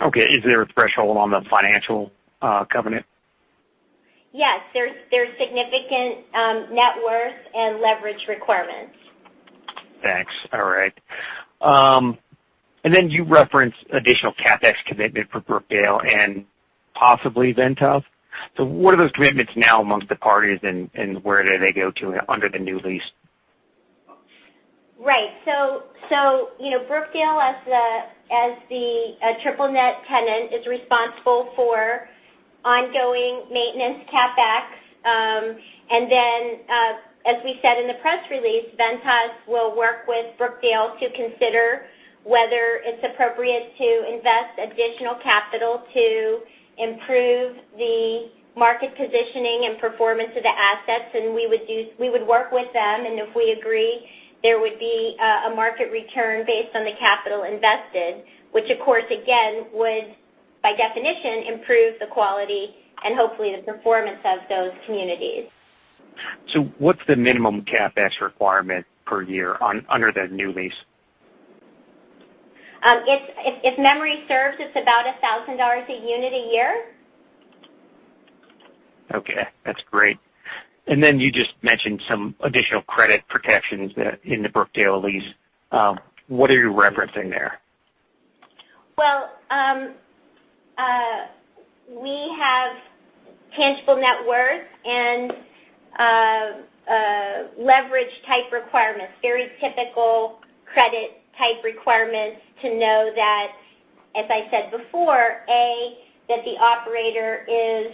Okay. Is there a threshold on the financial covenant? Yes. There's significant net worth and leverage requirements. Thanks. All right. Then you referenced additional CapEx commitment for Brookdale and possibly Ventas. What are those commitments now amongst the parties, and where do they go to under the new lease? Right. Brookdale, as the triple-net tenant, is responsible for ongoing maintenance, CapEx. Then, as we said in the press release, Ventas will work with Brookdale to consider whether it's appropriate to invest additional capital to improve the market positioning and performance of the assets. We would work with them, and if we agree, there would be a market return based on the capital invested, which, of course, again, would, by definition, improve the quality and hopefully the performance of those communities. What's the minimum CapEx requirement per year under the new lease? If memory serves, it's about $1,000 a unit a year. Okay, that's great. Then you just mentioned some additional credit protections in the Brookdale lease. What are you referencing there? Well, we have tangible net worth and leverage-type requirements, very typical credit-type requirements to know that, as I said before, A, that the operator is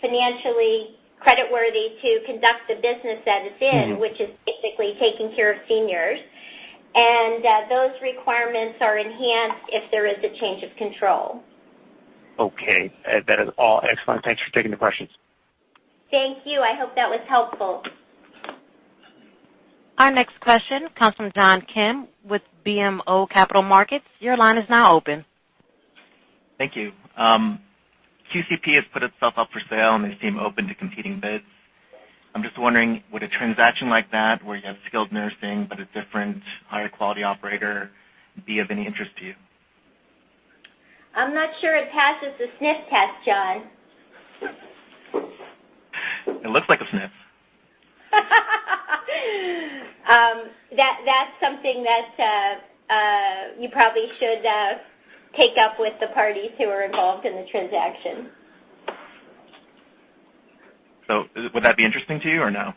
financially creditworthy to conduct the business that it's in. Which is basically taking care of seniors. Those requirements are enhanced if there is a change of control. Okay. That is all. Excellent. Thanks for taking the questions. Thank you. I hope that was helpful. Our next question comes from John Kim with BMO Capital Markets. Your line is now open. Thank you. QCP has put itself up for sale, and they seem open to competing bids. I'm just wondering, would a transaction like that, where you have skilled nursing but a different, higher-quality operator, be of any interest to you? I'm not sure it passes the SNF test, John. It looks like a SNF. That's something that you probably should take up with the parties who are involved in the transaction. Would that be interesting to you, or no?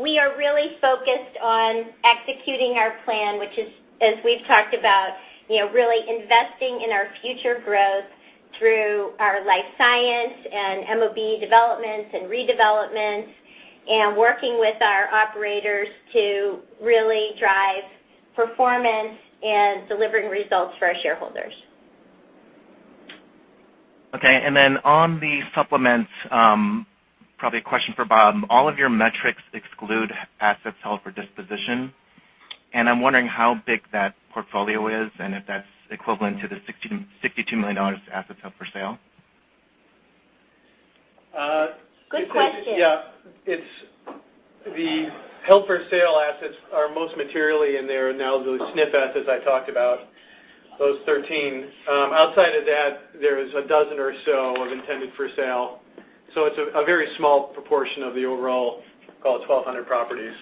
We are really focused on executing our plan, which is, as we've talked about, really investing in our future growth through our life science and MOB developments and redevelopments, and working with our operators to really drive performance and delivering results for our shareholders. On the supplements, probably a question for Bob. All of your metrics exclude assets held for disposition, and I'm wondering how big that portfolio is and if that's equivalent to the $62 million assets held for sale. Good question. Yeah. The held-for-sale assets are most materially in there are now the SNF assets I talked about those 13. Outside of that, there is a dozen or so of intended for sale. It's a very small proportion of the overall, call it 1,200 properties.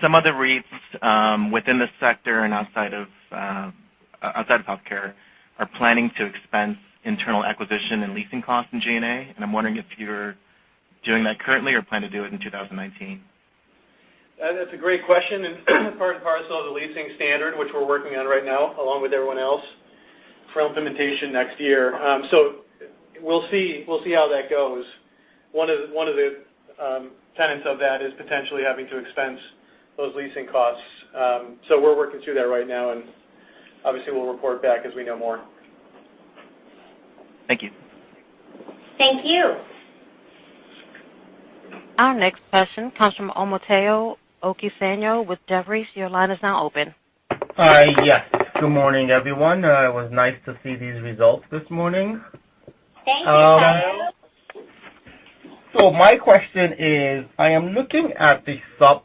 Some of the REITs within the sector and outside of healthcare are planning to expense internal acquisition and leasing costs in G&A. I'm wondering if you're doing that currently or plan to do it in 2019. That's a great question, and part and parcel of the leasing standard, which we're working on right now, along with everyone else, for implementation next year. We'll see how that goes. One of the tenets of that is potentially having to expense those leasing costs. We're working through that right now, and obviously, we'll report back as we know more. Thank you. Thank you. Our next question comes from Omotayo Okusanya with Jefferies. Your line is now open. Hi. Yes. Good morning, everyone. It was nice to see these results this morning. Thank you. My question is, I am looking at the sub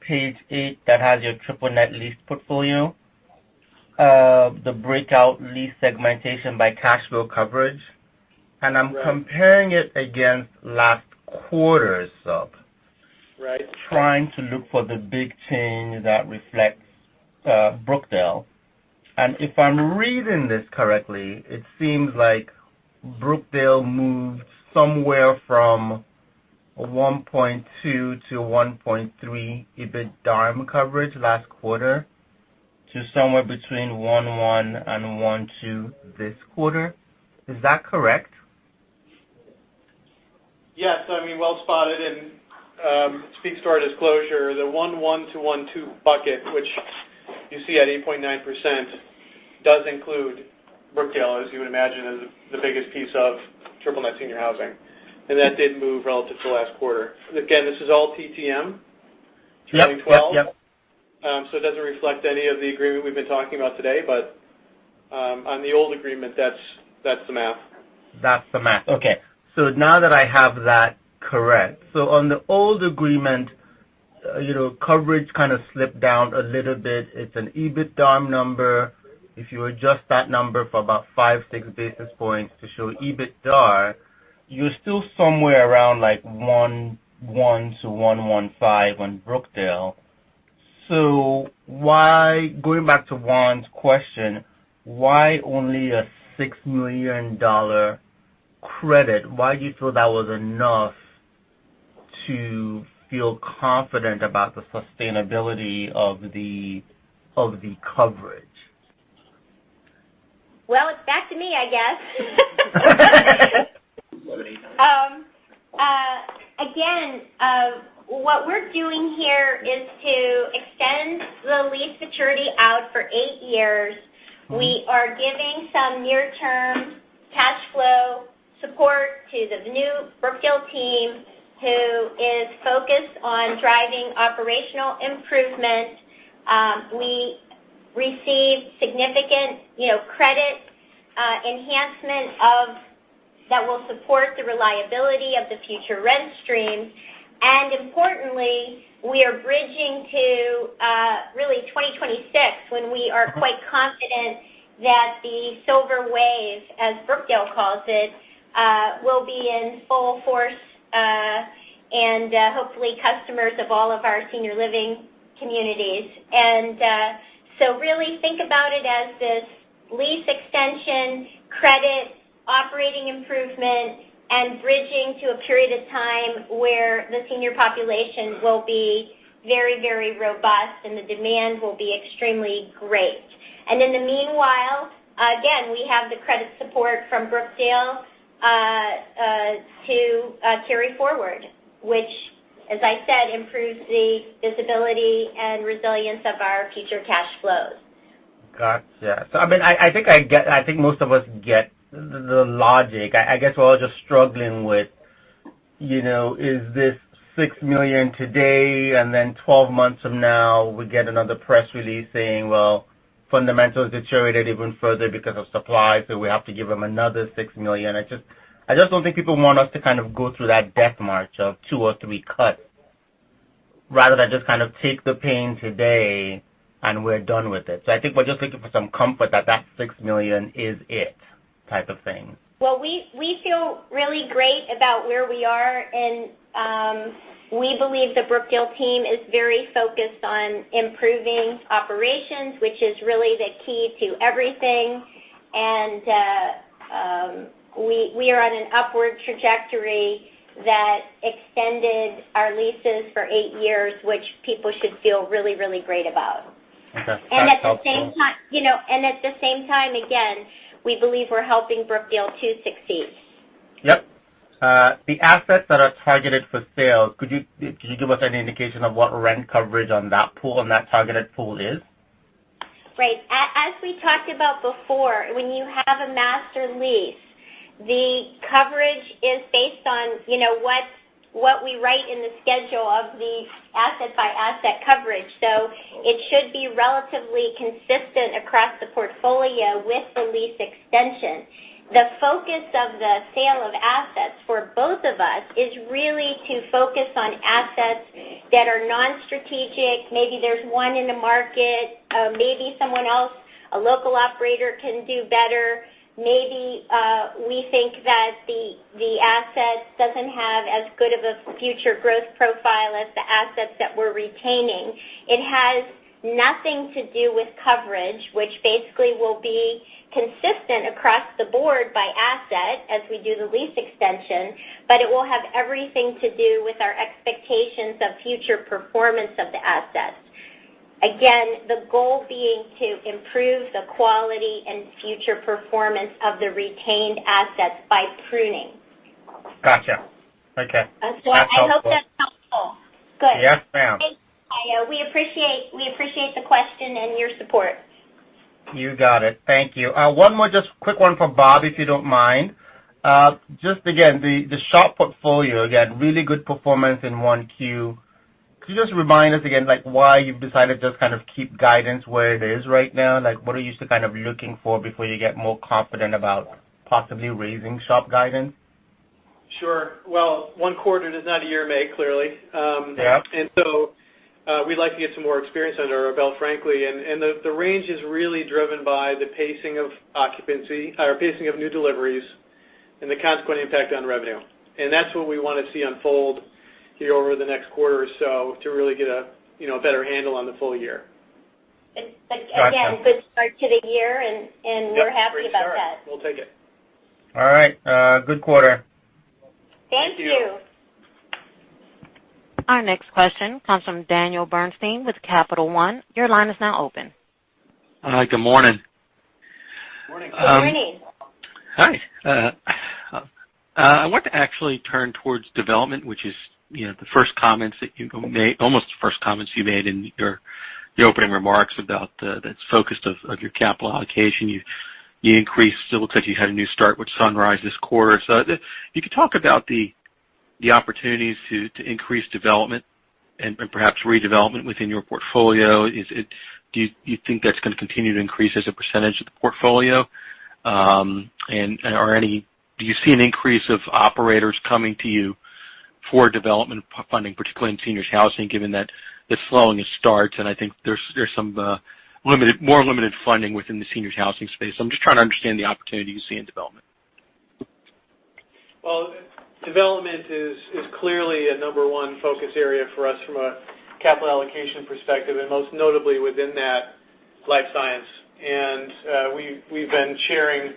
Page eight that has your triple net lease portfolio, the breakout lease segmentation by cash flow coverage, and I'm comparing it against last quarter's sub. Right. Trying to look for the big change that reflects Brookdale. If I'm reading this correctly, it seems like Brookdale moved somewhere from 1.2 to 1.3 EBITDARM coverage last quarter to somewhere between 1.1 and 1.2 this quarter. Is that correct? Yes. Well spotted, and speaks to our disclosure. The 1.1-1.2 bucket, which you see at 8.9%, does include Brookdale, as you would imagine, as the biggest piece of triple net senior housing. That did move relative to last quarter. Again, this is all TTM. Yep. 2012. It doesn't reflect any of the agreement we've been talking about today, on the old agreement, that's the math. That's the math. Okay. Now that I have that correct, on the old agreement, coverage kind of slipped down a little bit. It's an EBITDARM number. If you adjust that number for about five, six basis points to show EBITDA, you're still somewhere around 1.1 to 1.15 on Brookdale. Going back to Juan's question, why only a $6 million credit? Why do you feel that was enough to feel confident about the sustainability of the coverage? Well, it's back to me, I guess. Again, what we're doing here is to extend the lease maturity out for eight years. We are giving some near-term cash flow support to the new Brookdale team, who is focused on driving operational improvement. We received significant credit enhancement that will support the reliability of the future rent streams. Importantly, we are bridging to really 2026, when we are quite confident that the silver wave, as Brookdale calls it, will be in full force, and hopefully customers of all of our senior living communities. Really think about it as this lease extension, credit, operating improvement, and bridging to a period of time where the senior population will be very robust, and the demand will be extremely great. In the meanwhile, again, we have the credit support from Brookdale to carry forward, which, as I said, improves the visibility and resilience of our future cash flows. Gotcha. I think most of us get the logic. I guess we're all just struggling with, is this $6 million today, and then 12 months from now, we get another press release saying, well, fundamentals deteriorated even further because of supply, we have to give them another $6 million? I just don't think people want us to kind of go through that death march of two or three cuts, rather than just kind of take the pain today, and we're done with it. I think we're just looking for some comfort that that $6 million is it type of thing. Well, we feel really great about where we are. We believe the Brookdale team is very focused on improving operations, which is really the key to everything. We are on an upward trajectory that extended our leases for eight years, which people should feel really great about. Okay. That's helpful. At the same time, again, we believe we're helping Brookdale too succeed. Yep. The assets that are targeted for sale, could you give us any indication of what rent coverage on that targeted pool is? Right. As we talked about before, when you have a master lease, the coverage is based on what we write in the schedule of the asset-by-asset coverage. It should be relatively consistent across the portfolio with the lease extension. The focus of the sale of assets for both of us is really to focus on assets that are non-strategic. Maybe there's one in the market. Maybe someone else, a local operator, can do better. Maybe we think that the asset doesn't have as good of a future growth profile as the assets that we're retaining. It has nothing to do with coverage, which basically will be consistent across the board by asset as we do the lease extension, but it will have everything to do with our expectations of future performance of the asset. Again, the goal being to improve the quality and future performance of the retained assets by pruning. Got you. Okay. That's helpful. I hope that's helpful. Good. Yes, ma'am. Thanks, Omotayo. We appreciate the question and your support. You got it. Thank you. One more just quick one for Bob, if you don't mind. Just again, the SHOP portfolio, again, really good performance in one Q. Could you just remind us again, why you've decided to just keep guidance where it is right now? What are you still looking for before you get more confident about possibly raising SHOP guidance? Sure. Well, one quarter does not a year make, clearly. Yeah. We'd like to get some more experience under our belt, frankly. The range is really driven by the pacing of occupancy or pacing of new deliveries and the consequent impact on revenue. That's what we want to see unfold here over the next quarter or so to really get a better handle on the full year. Again. Got you. It's a good start to the year, and we're happy about that. Yep. Great start. We'll take it. All right. Good quarter. Thank you. Thank you. Our next question comes from Daniel Bernstein with Capital One. Your line is now open. Hi, good morning. Morning. Good morning. Hi. I want to actually turn towards development, which is the first comments that you made, almost the first comments you made in your opening remarks about the focus of your capital allocation. If you could talk about the opportunities to increase development and perhaps redevelopment within your portfolio. Do you think that's going to continue to increase as a percentage of the portfolio? Do you see an increase of operators coming to you for development funding, particularly in seniors housing, given that the slowing of starts, and I think there's some more limited funding within the seniors housing space. I'm just trying to understand the opportunity you see in development. Well, development is clearly a number 1 focus area for us from a capital allocation perspective, and most notably within that, life science. We've been sharing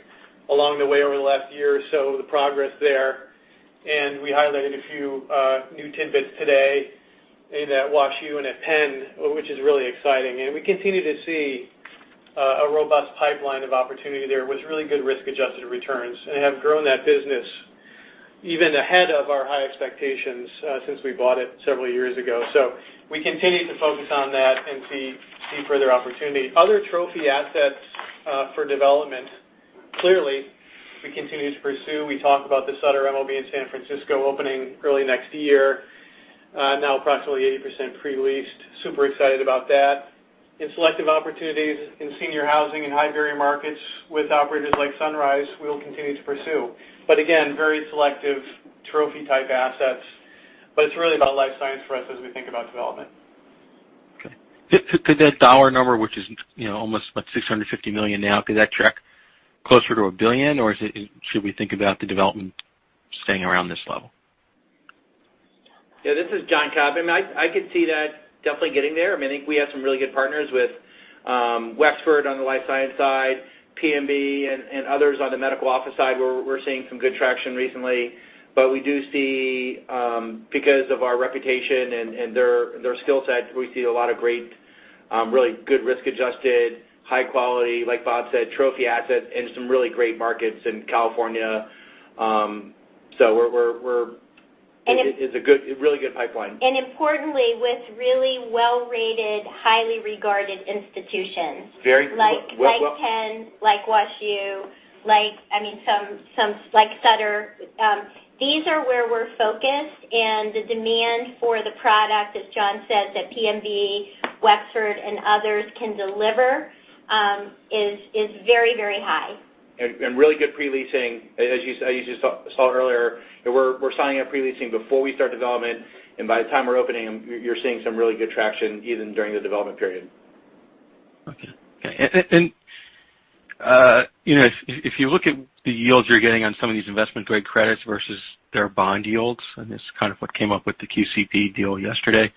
along the way over the last year or so the progress there, and we highlighted a few new tidbits today in that WashU and at Penn, which is really exciting. We continue to see a robust pipeline of opportunity there with really good risk-adjusted returns and have grown that business even ahead of our high expectations since we bought it several years ago. We continue to focus on that and see further opportunity. Other trophy assets for development, clearly, we continue to pursue. We talk about the Sutter MOB in San Francisco opening early next year, now approximately 80% pre-leased. Super excited about that. Selective opportunities in senior housing in high barrier markets with operators like Sunrise, we'll continue to pursue. Again, very selective trophy-type assets. It's really about life science for us as we think about development. Okay. Could that dollar number, which is almost like $650 million now, could that track closer to $1 billion, or should we think about the development staying around this level? Yeah, this is John Cobb. I could see that definitely getting there. I think we have some really good partners with Wexford on the life science side, PMB, and others on the medical office side. We're seeing some good traction recently. We do see, because of our reputation and their skill set, we see a lot of great, really good risk-adjusted, high-quality, like Bob said, trophy assets in some really great markets in California. It's a really good pipeline. Importantly, with really well-rated, highly regarded institutions- Very- Like Penn, like WashU, like Sutter. These are where we're focused, and the demand for the product, as John said, that PMB, Wexford, and others can deliver, is very high. Really good pre-leasing, as you just saw earlier. We're signing up pre-leasing before we start development, and by the time we're opening them, you're seeing some really good traction, even during the development period. Okay. If you look at the yields you're getting on some of these investment-grade credits versus their bond yields, and this is kind of what came up with the QCP deal yesterday,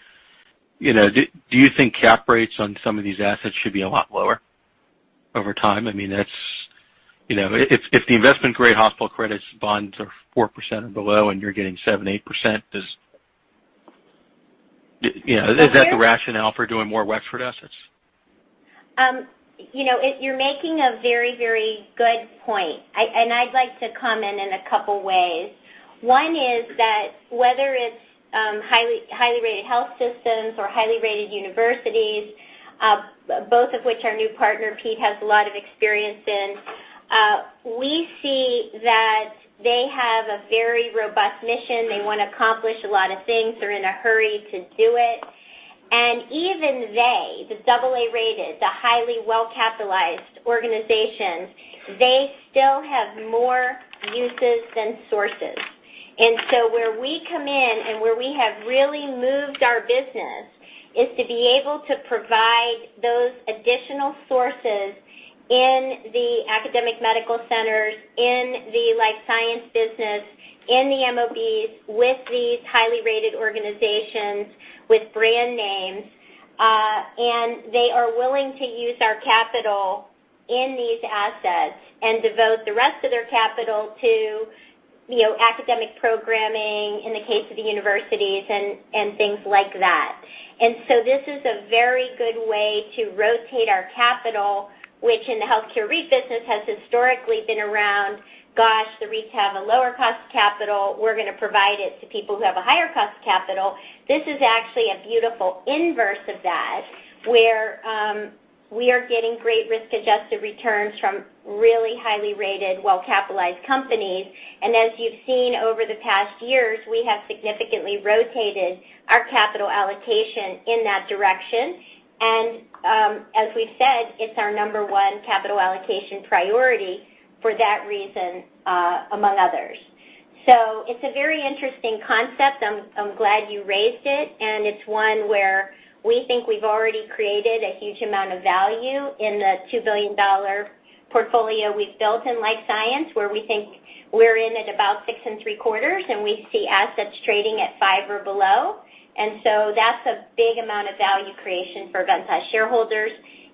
do you think cap rates on some of these assets should be a lot lower over time? If the investment-grade hospital credits bonds are 4% or below and you're getting 7%, 8%, is that the rationale for doing more Wexford assets? You're making a very good point. I'd like to comment in a couple ways. One is that whether it's highly rated health systems or highly rated universities, both of which our new partner, Pete, has a lot of experience in, we see that they have a very robust mission. They want to accomplish a lot of things. They're in a hurry to do it. Even they, the AA-rated, the highly well-capitalized organizations, they still have more uses than sources. Where we come in and where we have really moved our business is to be able to provide those additional sources in the academic medical centers, in the life science business, in the MOBs, with these highly rated organizations, with brand names. They are willing to use our capital in these assets and devote the rest of their capital to academic programming in the case of the universities and things like that. This is a very good way to rotate our capital, which in the healthcare REIT business has historically been around, gosh, the REITs have a lower cost of capital. We're going to provide it to people who have a higher cost of capital. This is actually a beautiful inverse of that, where we are getting great risk-adjusted returns from really highly rated, well-capitalized companies. As you've seen over the past years, we have significantly rotated our capital allocation in that direction. As we've said, it's our number one capital allocation priority for that reason, among others. It's a very interesting concept. I'm glad you raised it, and it's one where we think we've already created a huge amount of value in the $2 billion portfolio we've built in life science, where we think we're in at about six and three-quarters, and we see assets trading at five or below. That's a big amount of value creation for Ventas shareholders,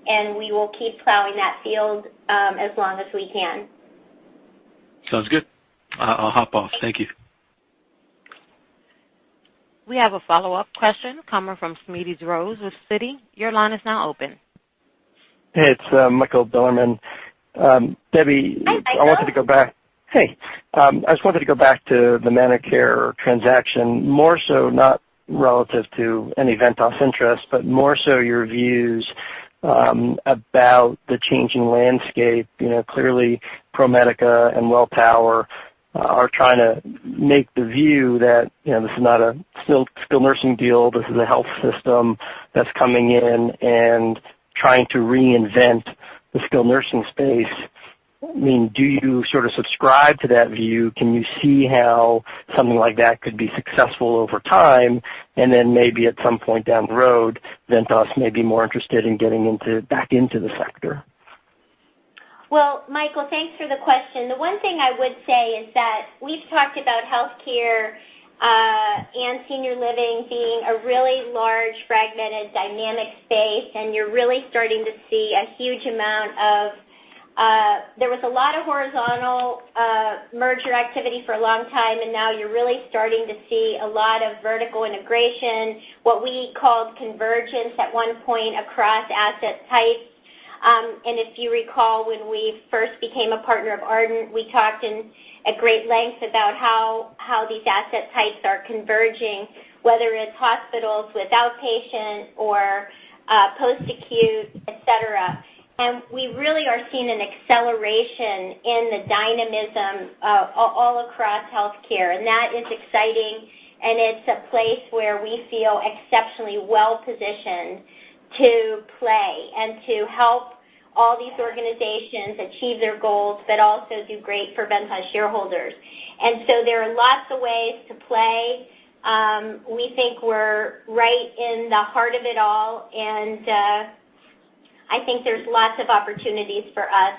and we will keep plowing that field as long as we can. Sounds good. I'll hop off. Thank you. We have a follow-up question coming from Smedes Rose with Citi. Your line is now open. Hey, it's Michael Bilerman. Debra- Hi, Michael. Hey. I just wanted to go back to the ManorCare transaction, more so not relative to any Ventas interest, but more so your views about the changing landscape. Clearly ProMedica and Welltower are trying to make the view that this is not a skilled nursing deal, this is a health system that's coming in and trying to reinvent the skilled nursing space. Do you sort of subscribe to that view? Can you see how something like that could be successful over time, and then maybe at some point down the road, Ventas may be more interested in getting back into the sector? Well, Michael, thanks for the question. The one thing I would say is that we've talked about healthcare and senior living being a really large, fragmented, dynamic space, you're really starting to see a lot of horizontal merger activity for a long time, and now you're really starting to see a lot of vertical integration, what we called convergence at one point, across asset types. If you recall, when we first became a partner of Ardent, we talked at great length about how these asset types are converging, whether it's hospitals with outpatient or post-acute, et cetera. We really are seeing an acceleration in the dynamism all across healthcare, and that is exciting, and it's a place where we feel exceptionally well-positioned to play and to help all these organizations achieve their goals but also do great for Ventas shareholders. There are lots of ways to play. We think we're right in the heart of it all, and I think there's lots of opportunities for us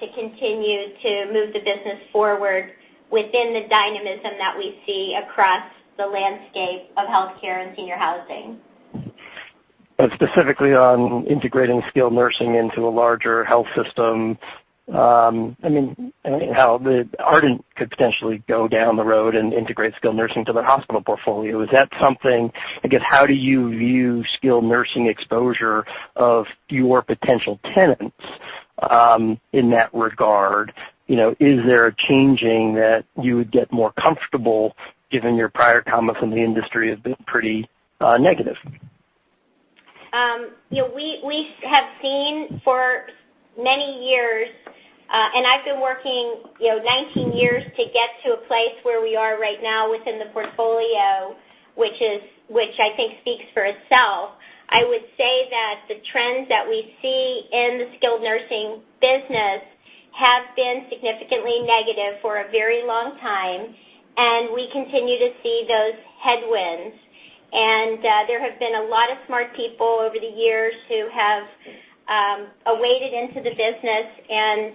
to continue to move the business forward within the dynamism that we see across the landscape of healthcare and senior housing. Specifically on integrating skilled nursing into a larger health system, Ardent could potentially go down the road and integrate skilled nursing to their hospital portfolio. Again, how do you view skilled nursing exposure of your potential tenants in that regard? Is there a changing that you would get more comfortable given your prior comments on the industry have been pretty negative? We have seen for many years, I've been working 19 years to get to a place where we are right now within the portfolio, which I think speaks for itself. I would say that the trends that we see in the skilled nursing business have been significantly negative for a very long time, and we continue to see those headwinds. There have been a lot of smart people over the years who have waded into the business, and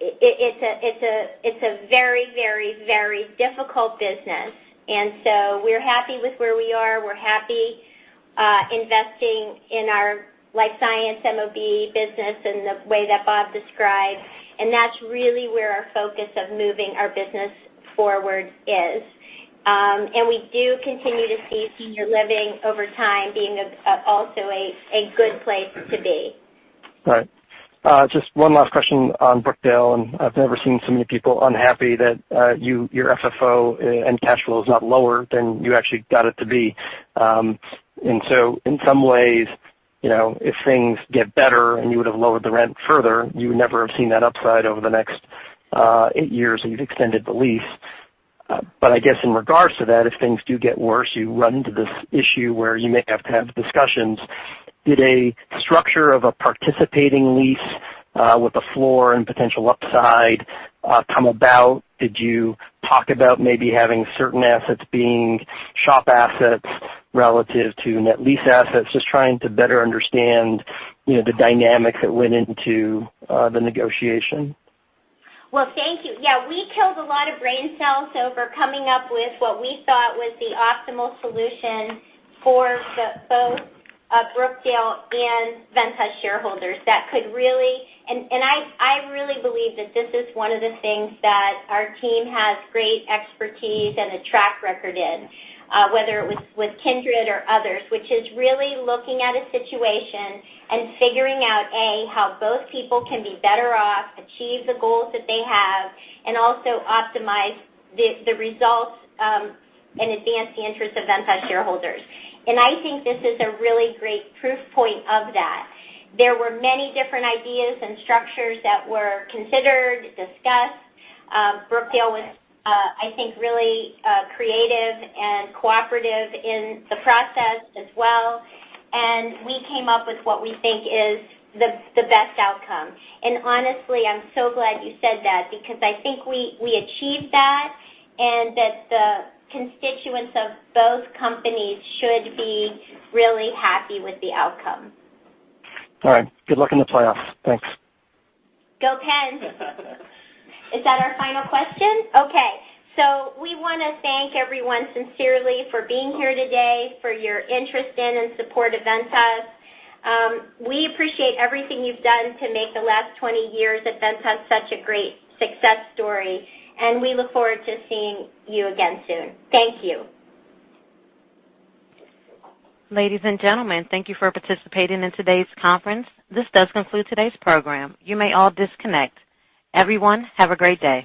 it's a very difficult business. We're happy with where we are. We're happy investing in our life science MOB business in the way that Bob described. That's really where our focus of moving our business forward is. We do continue to see senior living over time being also a good place to be. Just one last question on Brookdale. I've never seen so many people unhappy that your FFO and cash flow is not lower than you actually got it to be. In some ways, if things get better and you would've lowered the rent further, you would never have seen that upside over the next eight years that you've extended the lease. I guess in regards to that, if things do get worse, you run into this issue where you may have to have discussions. Did a structure of a participating lease, with a floor and potential upside, come about? Did you talk about maybe having certain assets being SHOP assets relative to net lease assets? Just trying to better understand the dynamics that went into the negotiation. Well, thank you. Yeah, we killed a lot of brain cells over coming up with what we thought was the optimal solution for both Brookdale and Ventas shareholders that could really. I really believe that this is one of the things that our team has great expertise and a track record in, whether it was with Kindred or others, which is really looking at a situation and figuring out, A, how both people can be better off, achieve the goals that they have, and also optimize the results and advance the interest of Ventas shareholders. I think this is a really great proof point of that. There were many different ideas and structures that were considered, discussed. Brookdale was, I think, really creative and cooperative in the process as well, and we came up with what we think is the best outcome. Honestly, I'm so glad you said that because I think we achieved that and that the constituents of both companies should be really happy with the outcome. All right. Good luck in the playoffs. Thanks. Go Pens. Is that our final question? Okay, we want to thank everyone sincerely for being here today, for your interest in and support of Ventas. We appreciate everything you've done to make the last 20 years at Ventas such a great success story, and we look forward to seeing you again soon. Thank you. Ladies and gentlemen, thank you for participating in today's conference. This does conclude today's program. You may all disconnect. Everyone, have a great day.